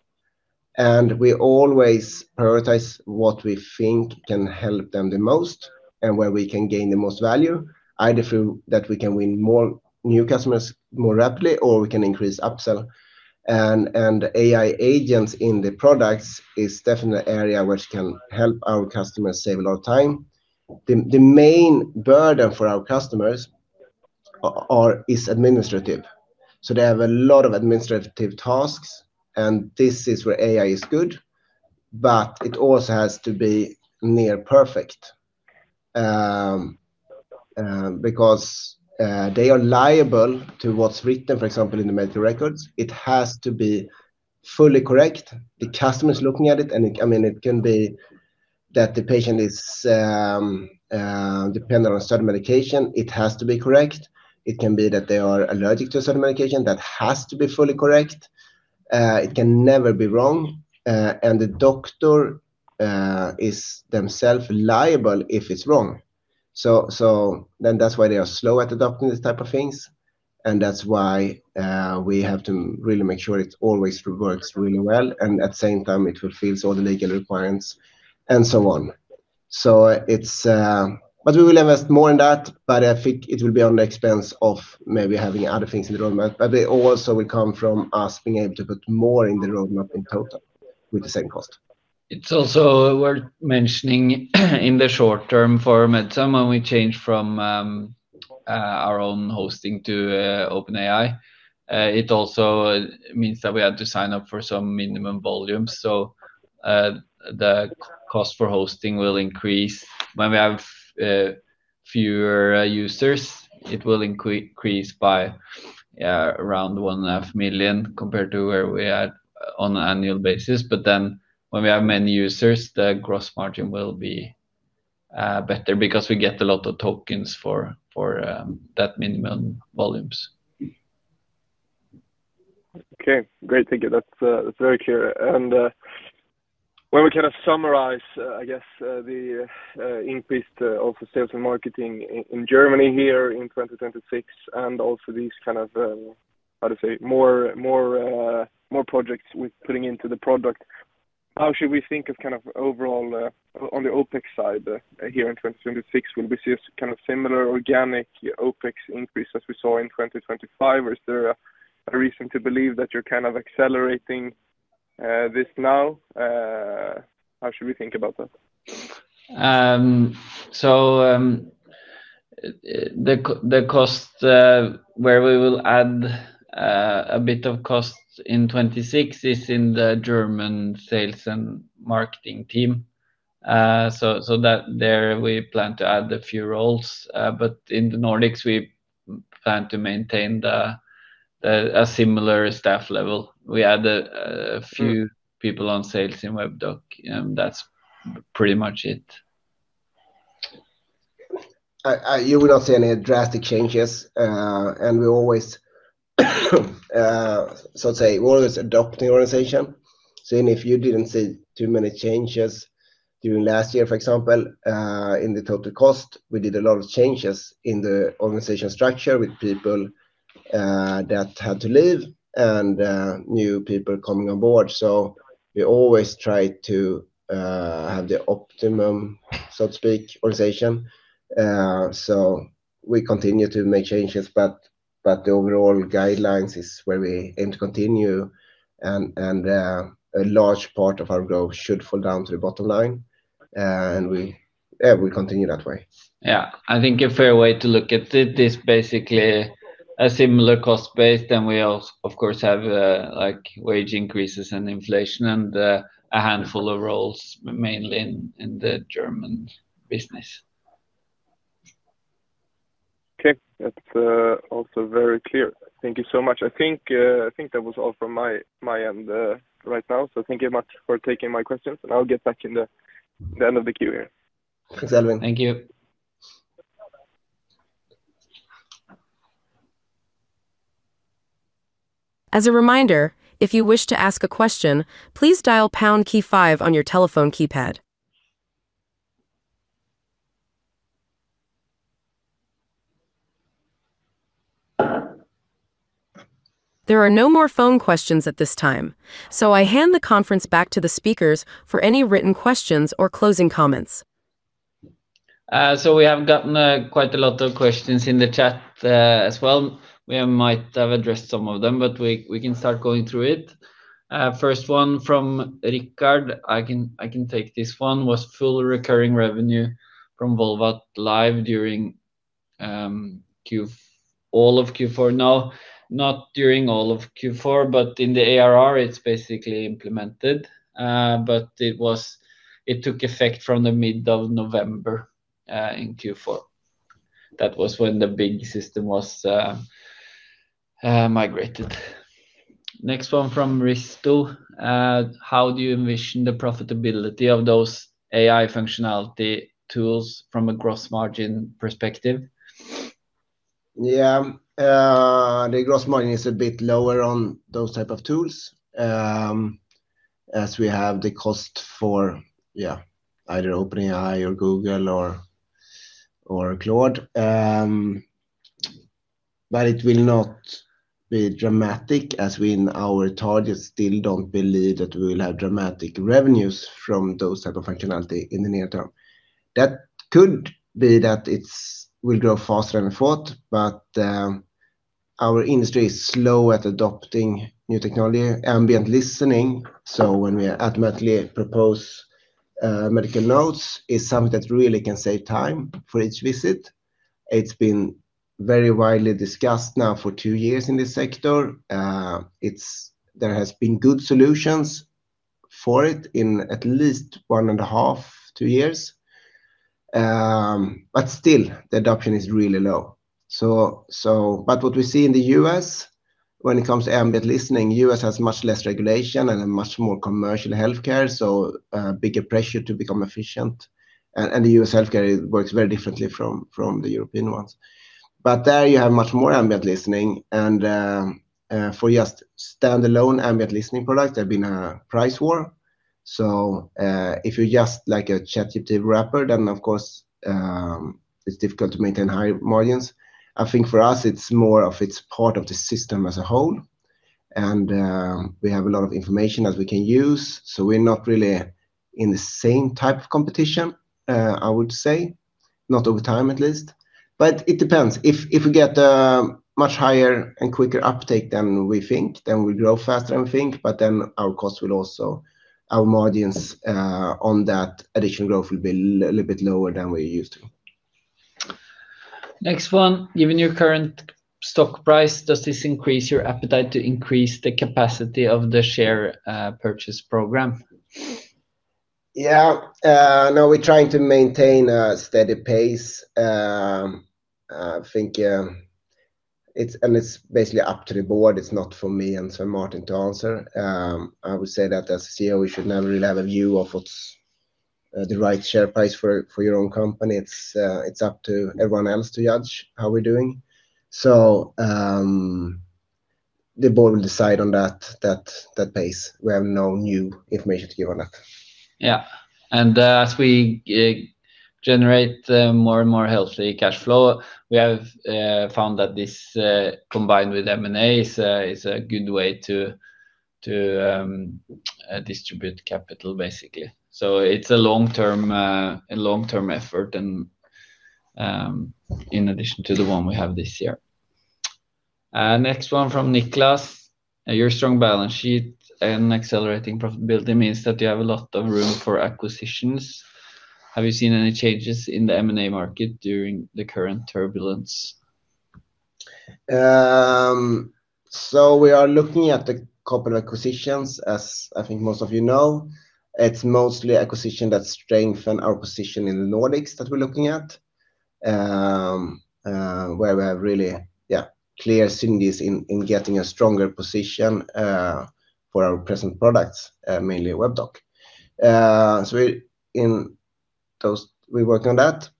and we always prioritize what we think can help them the most and where we can gain the most value, either through that we can win more new customers more rapidly, or we can increase upsell. And AI agents in the products is definitely an area which can help our customers save a lot of time. The main burden for our customers are, is administrative. So they have a lot of administrative tasks, and this is where AI is good, but it also has to be near perfect, because they are liable to what's written, for example, in the medical records. It has to be fully correct. The customer is looking at it, and it, I mean, it can be that the patient is dependent on certain medication. It has to be correct. It can be that they are allergic to a certain medication, that has to be fully correct. It can never be wrong, and the doctor is themselves liable if it's wrong. So then that's why they are slow at adopting these type of things, and that's why we have to really make sure it always works really well, and at the same time, it fulfills all the legal requirements and so on. So it's, but we will invest more in that, but I think it will be on the expense of maybe having other things in the roadmap, but it also will come from us being able to put more in the roadmap in total with the same cost. It's also worth mentioning, in the short term for Medsom, when we change from our own hosting to OpenAI, it also means that we had to sign up for some minimum volume. So, the cost for hosting will increase. When we have fewer users, it will increase by around 1.5 million compared to where we're at on an annual basis. But then when we have many users, the gross margin will be better because we get a lot of tokens for, for, that minimum volumes. Okay, great. Thank you. That's very clear. And when we kind of summarize, I guess, the increase of sales and marketing in Germany here in 2026, and also these kind of, how to say, more projects with putting into the product, how should we think of kind of overall on the OpEx side here in 2026? Will we see a kind of similar organic OpEx increase as we saw in 2025, or is there a reason to believe that you're kind of accelerating this now? How should we think about that? So, the cost where we will add a bit of cost in 2026 is in the German sales and marketing team. So, that there, we plan to add a few roles, but in the Nordics, we plan to maintain a similar staff level. We add a few people on sales in Webdoc, that's pretty much it. You will not see any drastic changes, and we always, so say, we're always adopting organization. So even if you didn't see too many changes during last year, for example, in the total cost, we did a lot of changes in the organization structure with people that had to leave and new people coming on board. So we always try to have the optimum, so to speak, organization. So we continue to make changes, but, but the overall guidelines is where we aim to continue, and, and, a large part of our growth should fall down to the bottom line, and, we, yeah, we continue that way. Yeah. I think a fair way to look at it is basically a similar cost base, then we also, of course, have like wage increases and inflation and a handful of roles, mainly in the German business. Okay. That's also very clear. Thank you so much. I think that was all from my end right now. So thank you much for taking my questions, and I'll get back in the end of the queue here. Thanks, Albin. Thank you. As a reminder, if you wish to ask a question, please dial pound key five on your telephone keypad. There are no more phone questions at this time, so I hand the conference back to the speakers for any written questions or closing comments. So we have gotten quite a lot of questions in the chat as well. We might have addressed some of them, but we can start going through it. First one from Rickard, I can take this one. Was full recurring revenue from Volvat live during all of Q4? No, not during all of Q4, but in the ARR, it's basically implemented. But it took effect from the mid of November in Q4. That was when the big system was migrated. Next one from Risto, how do you envision the profitability of those AI functionality tools from a gross margin perspective? Yeah. The gross margin is a bit lower on those type of tools, as we have the cost for either OpenAI or Google or Claude. But it will not be dramatic, as we, in our targets, still don't believe that we will have dramatic revenues from those type of functionality in the near term. That could be that it's will grow faster than we thought, but our industry is slow at adopting new technology, ambient listening. So when we automatically propose medical notes, is something that really can save time for each visit. It's been very widely discussed now for two years in this sector. It's there has been good solutions for it in at least one and a half, two years. But still, the adoption is really low. So, but what we see in the U.S. when it comes to ambient listening, U.S. has much less regulation and a much more commercial healthcare, so bigger pressure to become efficient. And the U.S. healthcare works very differently from the European ones. But there you have much more ambient listening and for just standalone ambient listening products, there have been a price war. So, if you're just like a ChatGPT wrapper, then of course it's difficult to maintain high margins. I think for us it's more of it's part of the system as a whole, and we have a lot of information that we can use, so we're not really in the same type of competition, I would say, not over time at least. But it depends, if we get a much higher and quicker uptake than we think, then we'll grow faster than we think, but then our costs will also. Our margins on that additional growth will be a little bit lower than we're used to. Next one. Given your current stock price, does this increase your appetite to increase the capacity of the share purchase program? Yeah. No, we're trying to maintain a steady pace. I think it's. And it's basically up to the board. It's not for me and Svein Martin to answer. I would say that as CEO, we should never really have a view of what's the right share price for your own company. It's up to everyone else to judge how we're doing. So, the board will decide on that pace. We have no new information to give on that. Yeah. As we generate more and more healthy cash flow, we have found that this combined with M&A is a good way to distribute capital, basically. It's a long-term effort, and in addition to the one we have this year. Next one from Niklas, your strong balance sheet and accelerating profitability means that you have a lot of room for acquisitions. Have you seen any changes in the M&A market during the current turbulence? So we are looking at a couple acquisitions, as I think most of you know. It's mostly acquisition that strengthen our position in the Nordics that we're looking at. Where we have really, yeah, clear synergies in, in getting a stronger position, for our present products, mainly Webdoc. So we're in those, we work on that.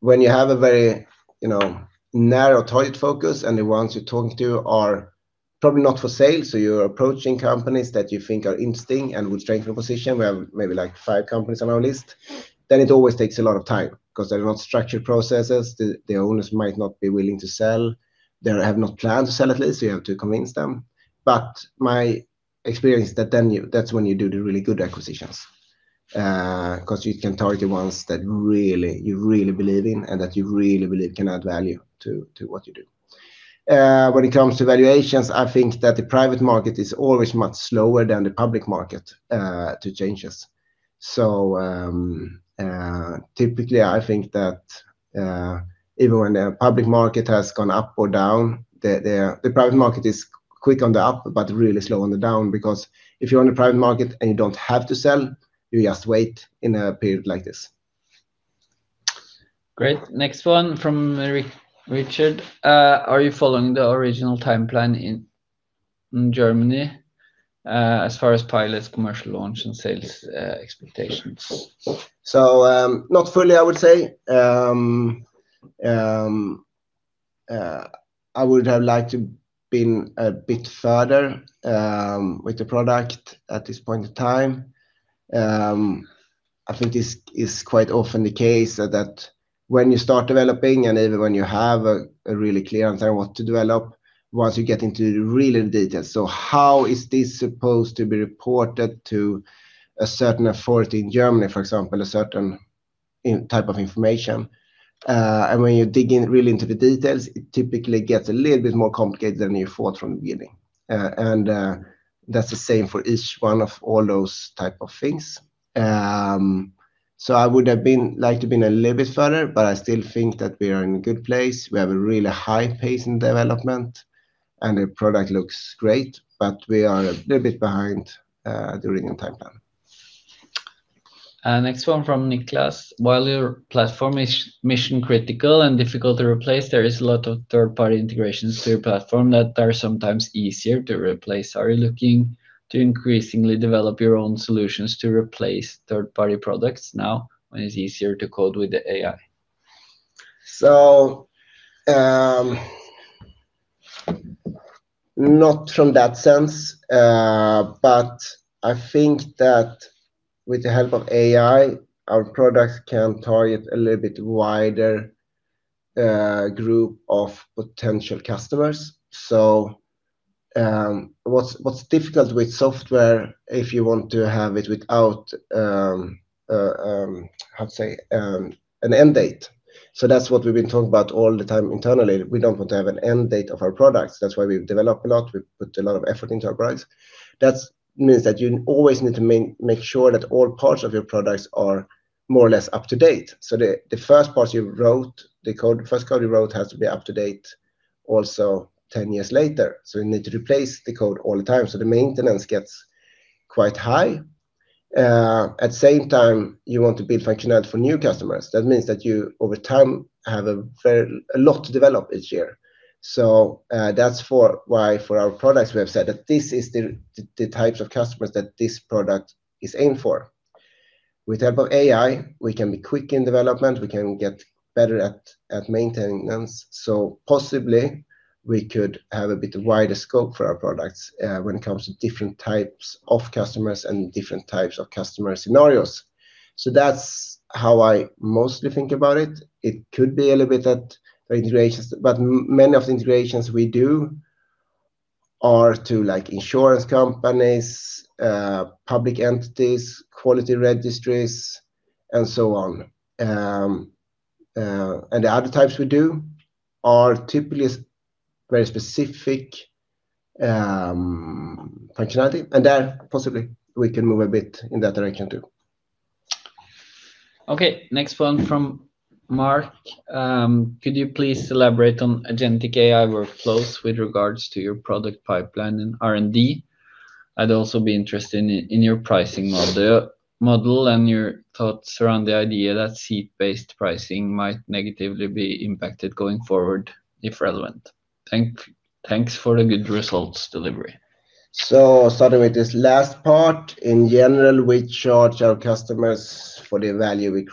When you have a very, you know, narrow target focus, and the ones you're talking to are probably not for sale, so you're approaching companies that you think are interesting and would strengthen your position, we have maybe, like, five companies on our list, then it always takes a lot of time. 'Cause they're not structured processes, the, the owners might not be willing to sell, they have not planned to sell at least, so you have to convince them. But my experience is that then you, that's when you do the really good acquisitions, 'cause you can target ones that really, you really believe in and that you really believe can add value to, to what you do. When it comes to valuations, I think that the private market is always much slower than the public market to changes. Typically, I think that even when the public market has gone up or down, the private market is quick on the up but really slow on the down, because if you're on the private market and you don't have to sell, you just wait in a period like this. Great. Next one from, Rickard, are you following the original timeline in Germany, as far as pilots, commercial launch, and sales, expectations? So, not fully, I would say. I would have liked to have been a bit further with the product at this point in time. I think this is quite often the case, that when you start developing, and even when you have a really clear answer on what to develop, once you get into the real details, so how is this supposed to be reported to a certain authority in Germany, for example, a certain type of information? And when you dig in really into the details, it typically gets a little bit more complicated than you thought from the beginning. And that's the same for each one of all those type of things. So I would have liked to have been a little bit further, but I still think that we are in a good place. We have a really high pace in development, and the product looks great, but we are a little bit behind the original timeline. Next one from Niklas, while your platform is mission-critical and difficult to replace, there is a lot of third-party integrations to your platform that are sometimes easier to replace. Are you looking to increasingly develop your own solutions to replace third-party products now, when it's easier to code with the AI? So, not from that sense, but I think that with the help of AI, our products can target a little bit wider group of potential customers. So, what's difficult with software, if you want to have it without an end date. So that's what we've been talking about all the time internally. We don't want to have an end date of our products. That's why we've developed a lot, we've put a lot of effort into our products. That means that you always need to make sure that all parts of your products are more or less up-to-date. So the first parts you wrote, the code, first code you wrote has to be up to date also 10 years later. So we need to replace the code all the time, so the maintenance gets quite high. At the same time, you want to build functionality for new customers. That means that you, over time, have a very, a lot to develop each year. So, that's why, for our products, we have said that this is the types of customers that this product is aimed for. With the help of AI, we can be quick in development, we can get better at maintenance, so possibly we could have a bit wider scope for our products, when it comes to different types of customers and different types of customer scenarios. So that's how I mostly think about it. It could be a little bit that the integrations, but many of the integrations we do are to, like, insurance companies, public entities, quality registries, and so on. The other types we do are typically very specific functionality, and there, possibly, we can move a bit in that direction, too. Okay, next one from Mark. Could you please elaborate on agentic AI workflows with regards to your product pipeline and R&D? I'd also be interested in your pricing model and your thoughts around the idea that seat-based pricing might negatively be impacted going forward, if relevant. Thanks for the good results delivery. So starting with this last part, in general, we charge our customers for the value we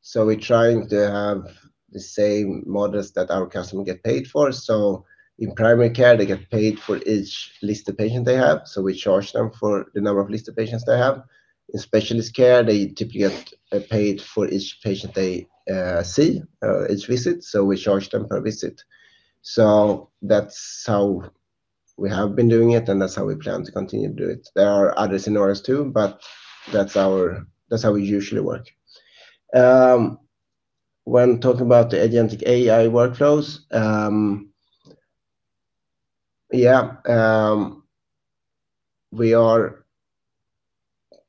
create. So we're trying to have the same models that our customer get paid for. So in primary care, they get paid for each listed patient they have, so we charge them for the number of listed patients they have. In specialist care, they typically get paid for each patient they see, each visit, so we charge them per visit. So that's how we have been doing it, and that's how we plan to continue to do it. There are other scenarios too, but that's our, that's how we usually work. When talking about the agentic AI workflows, yeah, we are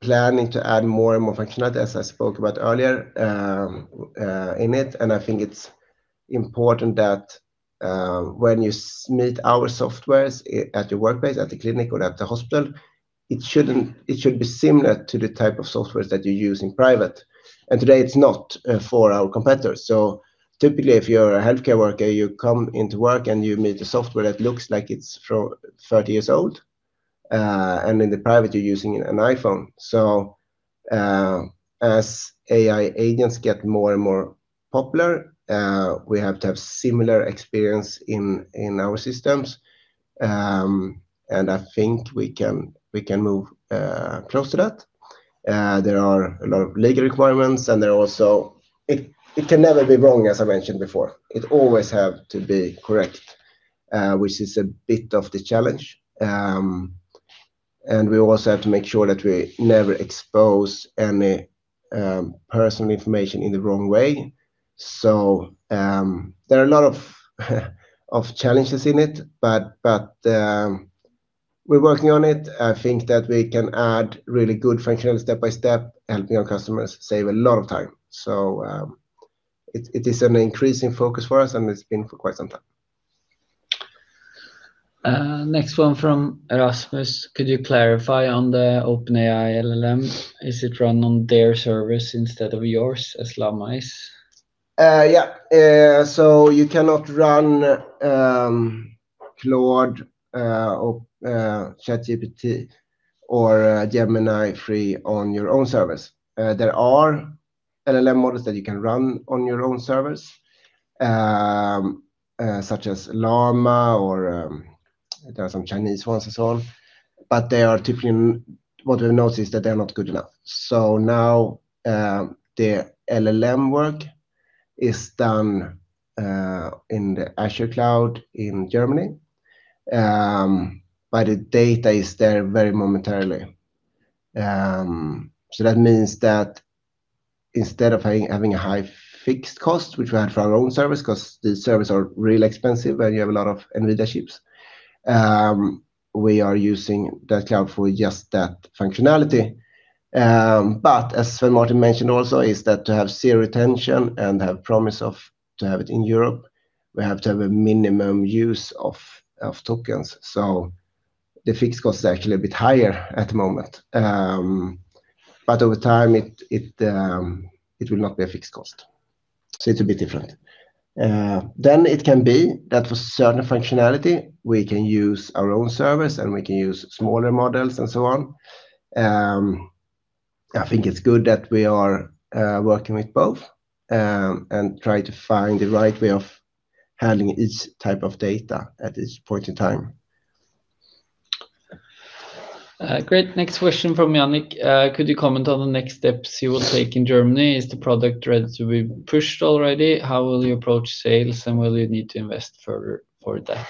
planning to add more and more functionality, as I spoke about earlier, in it, and I think it's important that, when you meet our softwares at the workplace, at the clinic or at the hospital, it shouldn't, it should be similar to the type of softwares that you use in private, and today it's not, for our competitors. So typically, if you're a healthcare worker, you come into work, and you meet a software that looks like it's from 30 years old, and in the private, you're using an iPhone. So, as AI agents get more and more popular, we have to have similar experience in, in our systems. And I think we can, we can move, close to that. There are a lot of legal requirements, and there are also, it can never be wrong, as I mentioned before. It always have to be correct, which is a bit of the challenge. And we also have to make sure that we never expose any personal information in the wrong way. So, there are a lot of challenges in it, but we're working on it. I think that we can add really good functionality step by step, helping our customers save a lot of time. So, it is an increasing focus for us, and it's been for quite some time. Next one from Rasmus. Could you clarify on the OpenAI LLM? Is it run on their servers instead of yours, as Llama is? Yeah. So you cannot run Claude or ChatGPT or Gemini free on your own servers. There are LLM models that you can run on your own servers, such as Llama or there are some Chinese ones and so on, but they are typically, what we notice is that they are not good enough. So now, the LLM work is done in the Azure cloud in Germany, but the data is there very momentarily. So that means that instead of having a high fixed cost, which we had for our own servers, 'cause the servers are really expensive when you have a lot of NVIDIA chips, we are using that cloud for just that functionality. But as Svein Martin mentioned also, is that to have zero retention and have promise of to have it in Europe, we have to have a minimum use of tokens. So the fixed cost is actually a bit higher at the moment. But over time, it will not be a fixed cost, so it's a bit different. Then it can be that for certain functionality, we can use our own servers, and we can use smaller models and so on. I think it's good that we are working with both and try to find the right way of handling each type of data at this point in time. Great. Next question from Yannik. Could you comment on the next steps you will take in Germany? Is the product ready to be pushed already? How will you approach sales, and will you need to invest further for that?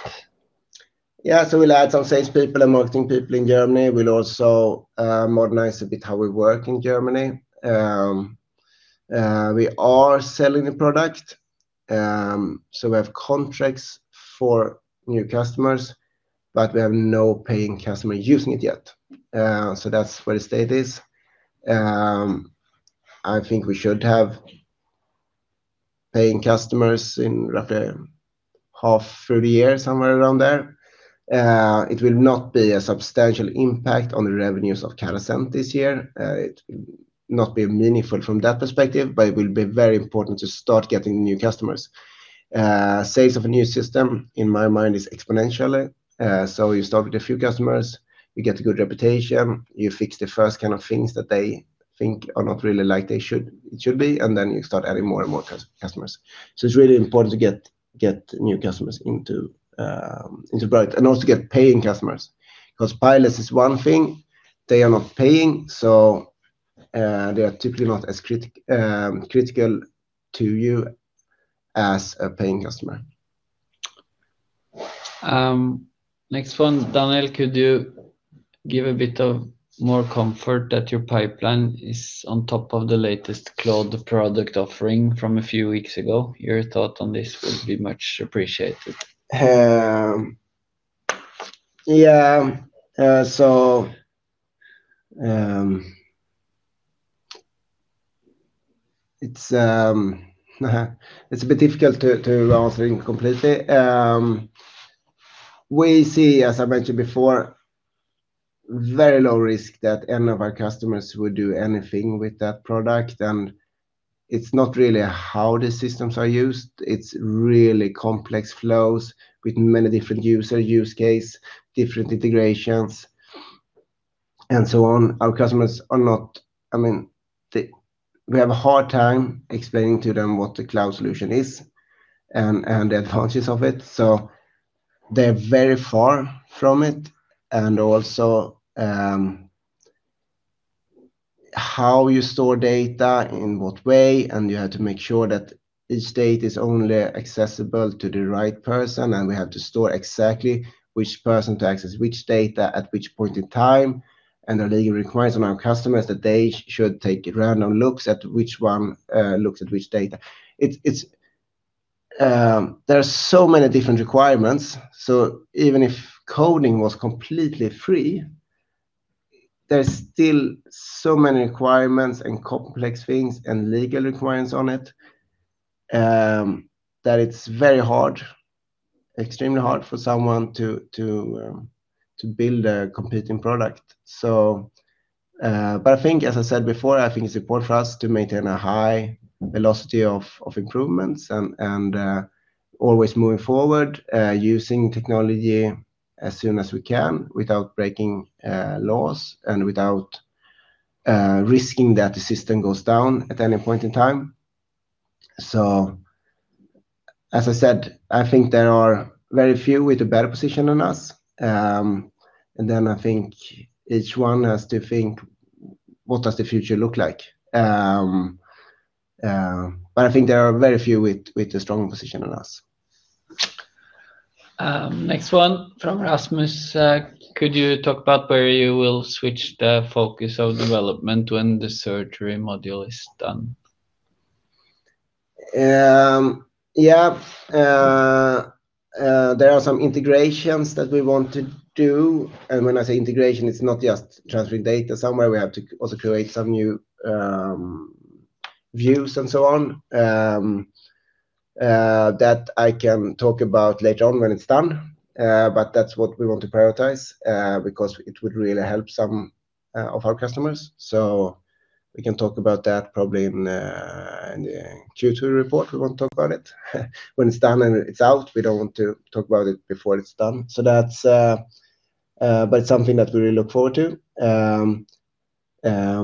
Yeah, so we'll add some sales people and marketing people in Germany. We'll also modernize a bit how we work in Germany. We are selling the product, so we have contracts for new customers, but we have no paying customer using it yet. So that's where the stage is. I think we should have paying customers in roughly halfway through the year, somewhere around there. It will not be a substantial impact on the revenues of Carasent this year. It will not be meaningful from that perspective, but it will be very important to start getting new customers. Sales of a new system, in my mind, is exponentially. So you start with a few customers, you get a good reputation, you fix the first kind of things that they think are not really like they should, it should be, and then you start adding more and more customers. So it's really important to get new customers into product, and also get paying customers. 'Cause pilots is one thing, they are not paying, so they are typically not as critical to you as a paying customer. Next one, Daniel, could you give a bit of more comfort that your pipeline is on top of the latest cloud product offering from a few weeks ago? Your thought on this would be much appreciated. Yeah. So, it's a bit difficult to answer it completely. We see, as I mentioned before, very low risk that any of our customers would do anything with that product, and it's not really how the systems are used. It's really complex flows with many different user use case, different integrations, and so on. Our customers are not, I mean, we have a hard time explaining to them what the cloud solution is and the advantages of it, so they're very far from it. And also, how you store data, in what way, and you have to make sure that each data is only accessible to the right person, and we have to store exactly which person to access which data, at which point in time, and the legal requirements of our customers, that they should take random looks at which one looks at which data. It's, it's, there are so many different requirements, so even if coding was completely free, there's still so many requirements and complex things and legal requirements on it, that it's very hard, extremely hard for someone to build a competing product. So, but I think, as I said before, I think it's important for us to maintain a high velocity of improvements and always moving forward, using technology as soon as we can without breaking laws and without risking that the system goes down at any point in time. So as I said, I think there are very few with a better position than us. And then I think each one has to think, what does the future look like? But I think there are very few with a stronger position than us. Next one from Rasmus. Could you talk about where you will switch the focus of development when the surgery module is done? Yeah. There are some integrations that we want to do, and when I say integration, it's not just transferring data somewhere. We have to also create some new views and so on. That I can talk about later on when it's done. But that's what we want to prioritize, because it would really help some of our customers. So we can talk about that probably in the Q2 report. We want to talk about it when it's done and it's out. We don't want to talk about it before it's done. So that's, but it's something that we really look forward to.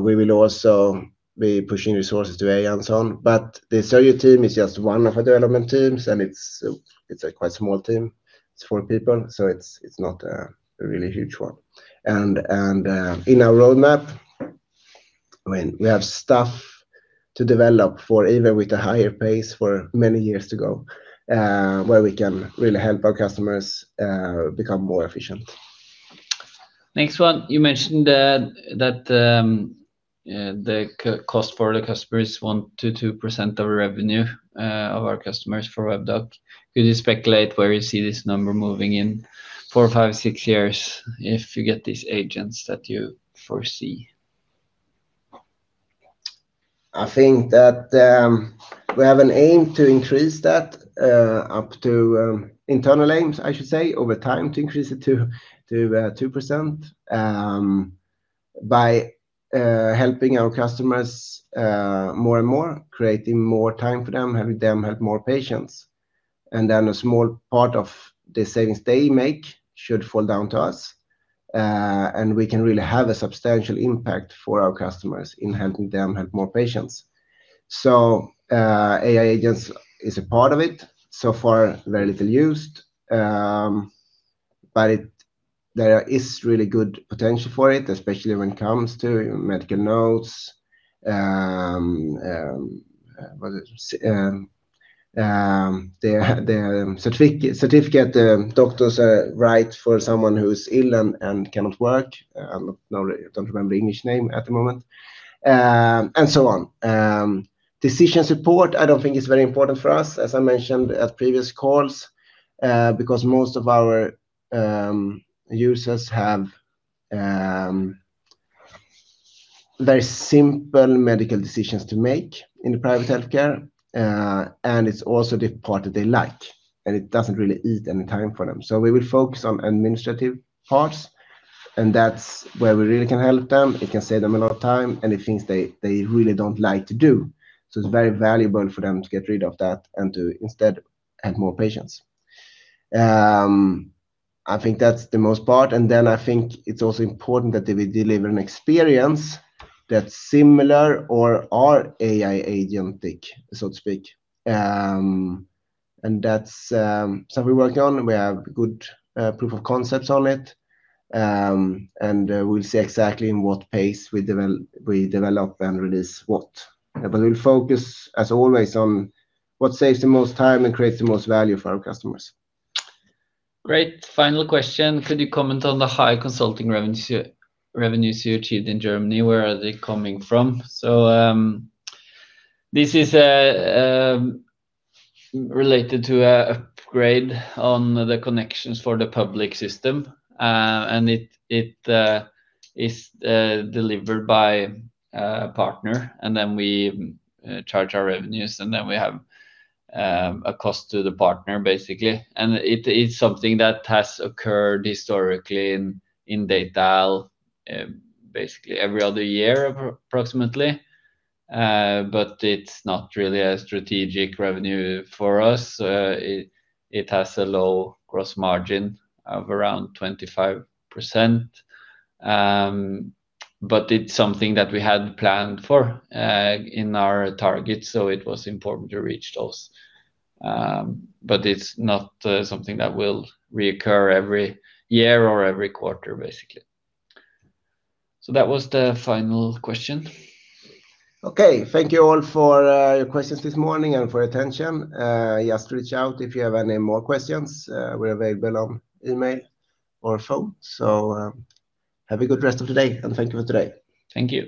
We will also be pushing resources to AI and so on, but the surgery team is just one of our development teams, and it's a quite small team. It's four people, so it's not a really huge one. And in our roadmap, I mean, we have stuff to develop for even with a higher pace for many years to go, where we can really help our customers become more efficient. Next one. You mentioned that the cost for the customer is 1%-2% of revenue of our customers for Webdoc. Could you speculate where you see this number moving in four, five, six years if you get these agents that you foresee? I think that, we have an aim to increase that, up to, internal aims, I should say, over time, to increase it to 2%. By, helping our customers, more and more, creating more time for them, having them help more patients, and then a small part of the savings they make should fall down to us. And we can really have a substantial impact for our customers in helping them help more patients. So, AI agents is a part of it. So far, very little used, but it, there is really good potential for it, especially when it comes to medical notes, what is, the certificate, doctors write for someone who is ill and cannot work. No, I don't remember the English name at the moment, and so on. Decision support, I don't think is very important for us, as I mentioned at previous calls, because most of our users have very simple medical decisions to make in the private healthcare, and it's also the part that they like, and it doesn't really eat any time for them. So we will focus on administrative parts, and that's where we really can help them. It can save them a lot of time and the things they, they really don't like to do. So it's very valuable for them to get rid of that and to instead add more patients. I think that's the most part, and then I think it's also important that they will deliver an experience that's similar or are AI agentic, so to speak. That's something we're working on, and we have good proof of concepts on it. We'll see exactly in what pace we develop and release what. We'll focus, as always, on what saves the most time and creates the most value for our customers. Great. Final question, could you comment on the high consulting revenues you achieved in Germany? Where are they coming from? So, this is related to a upgrade on the connections for the public system. And it is delivered by a partner, and then we charge our revenues, and then we have a cost to the partner, basically. And it is something that has occurred historically in Data-AL, basically every other year, approximately. But it's not really a strategic revenue for us. It has a low gross margin of around 25%. But it's something that we had planned for in our targets, so it was important to reach those. But it's not something that will reoccur every year or every quarter, basically. So that was the final question. Okay. Thank you all for your questions this morning and for your attention. Just reach out if you have any more questions. We're available on email or phone. So, have a good rest of the day, and thank you for today. Thank you.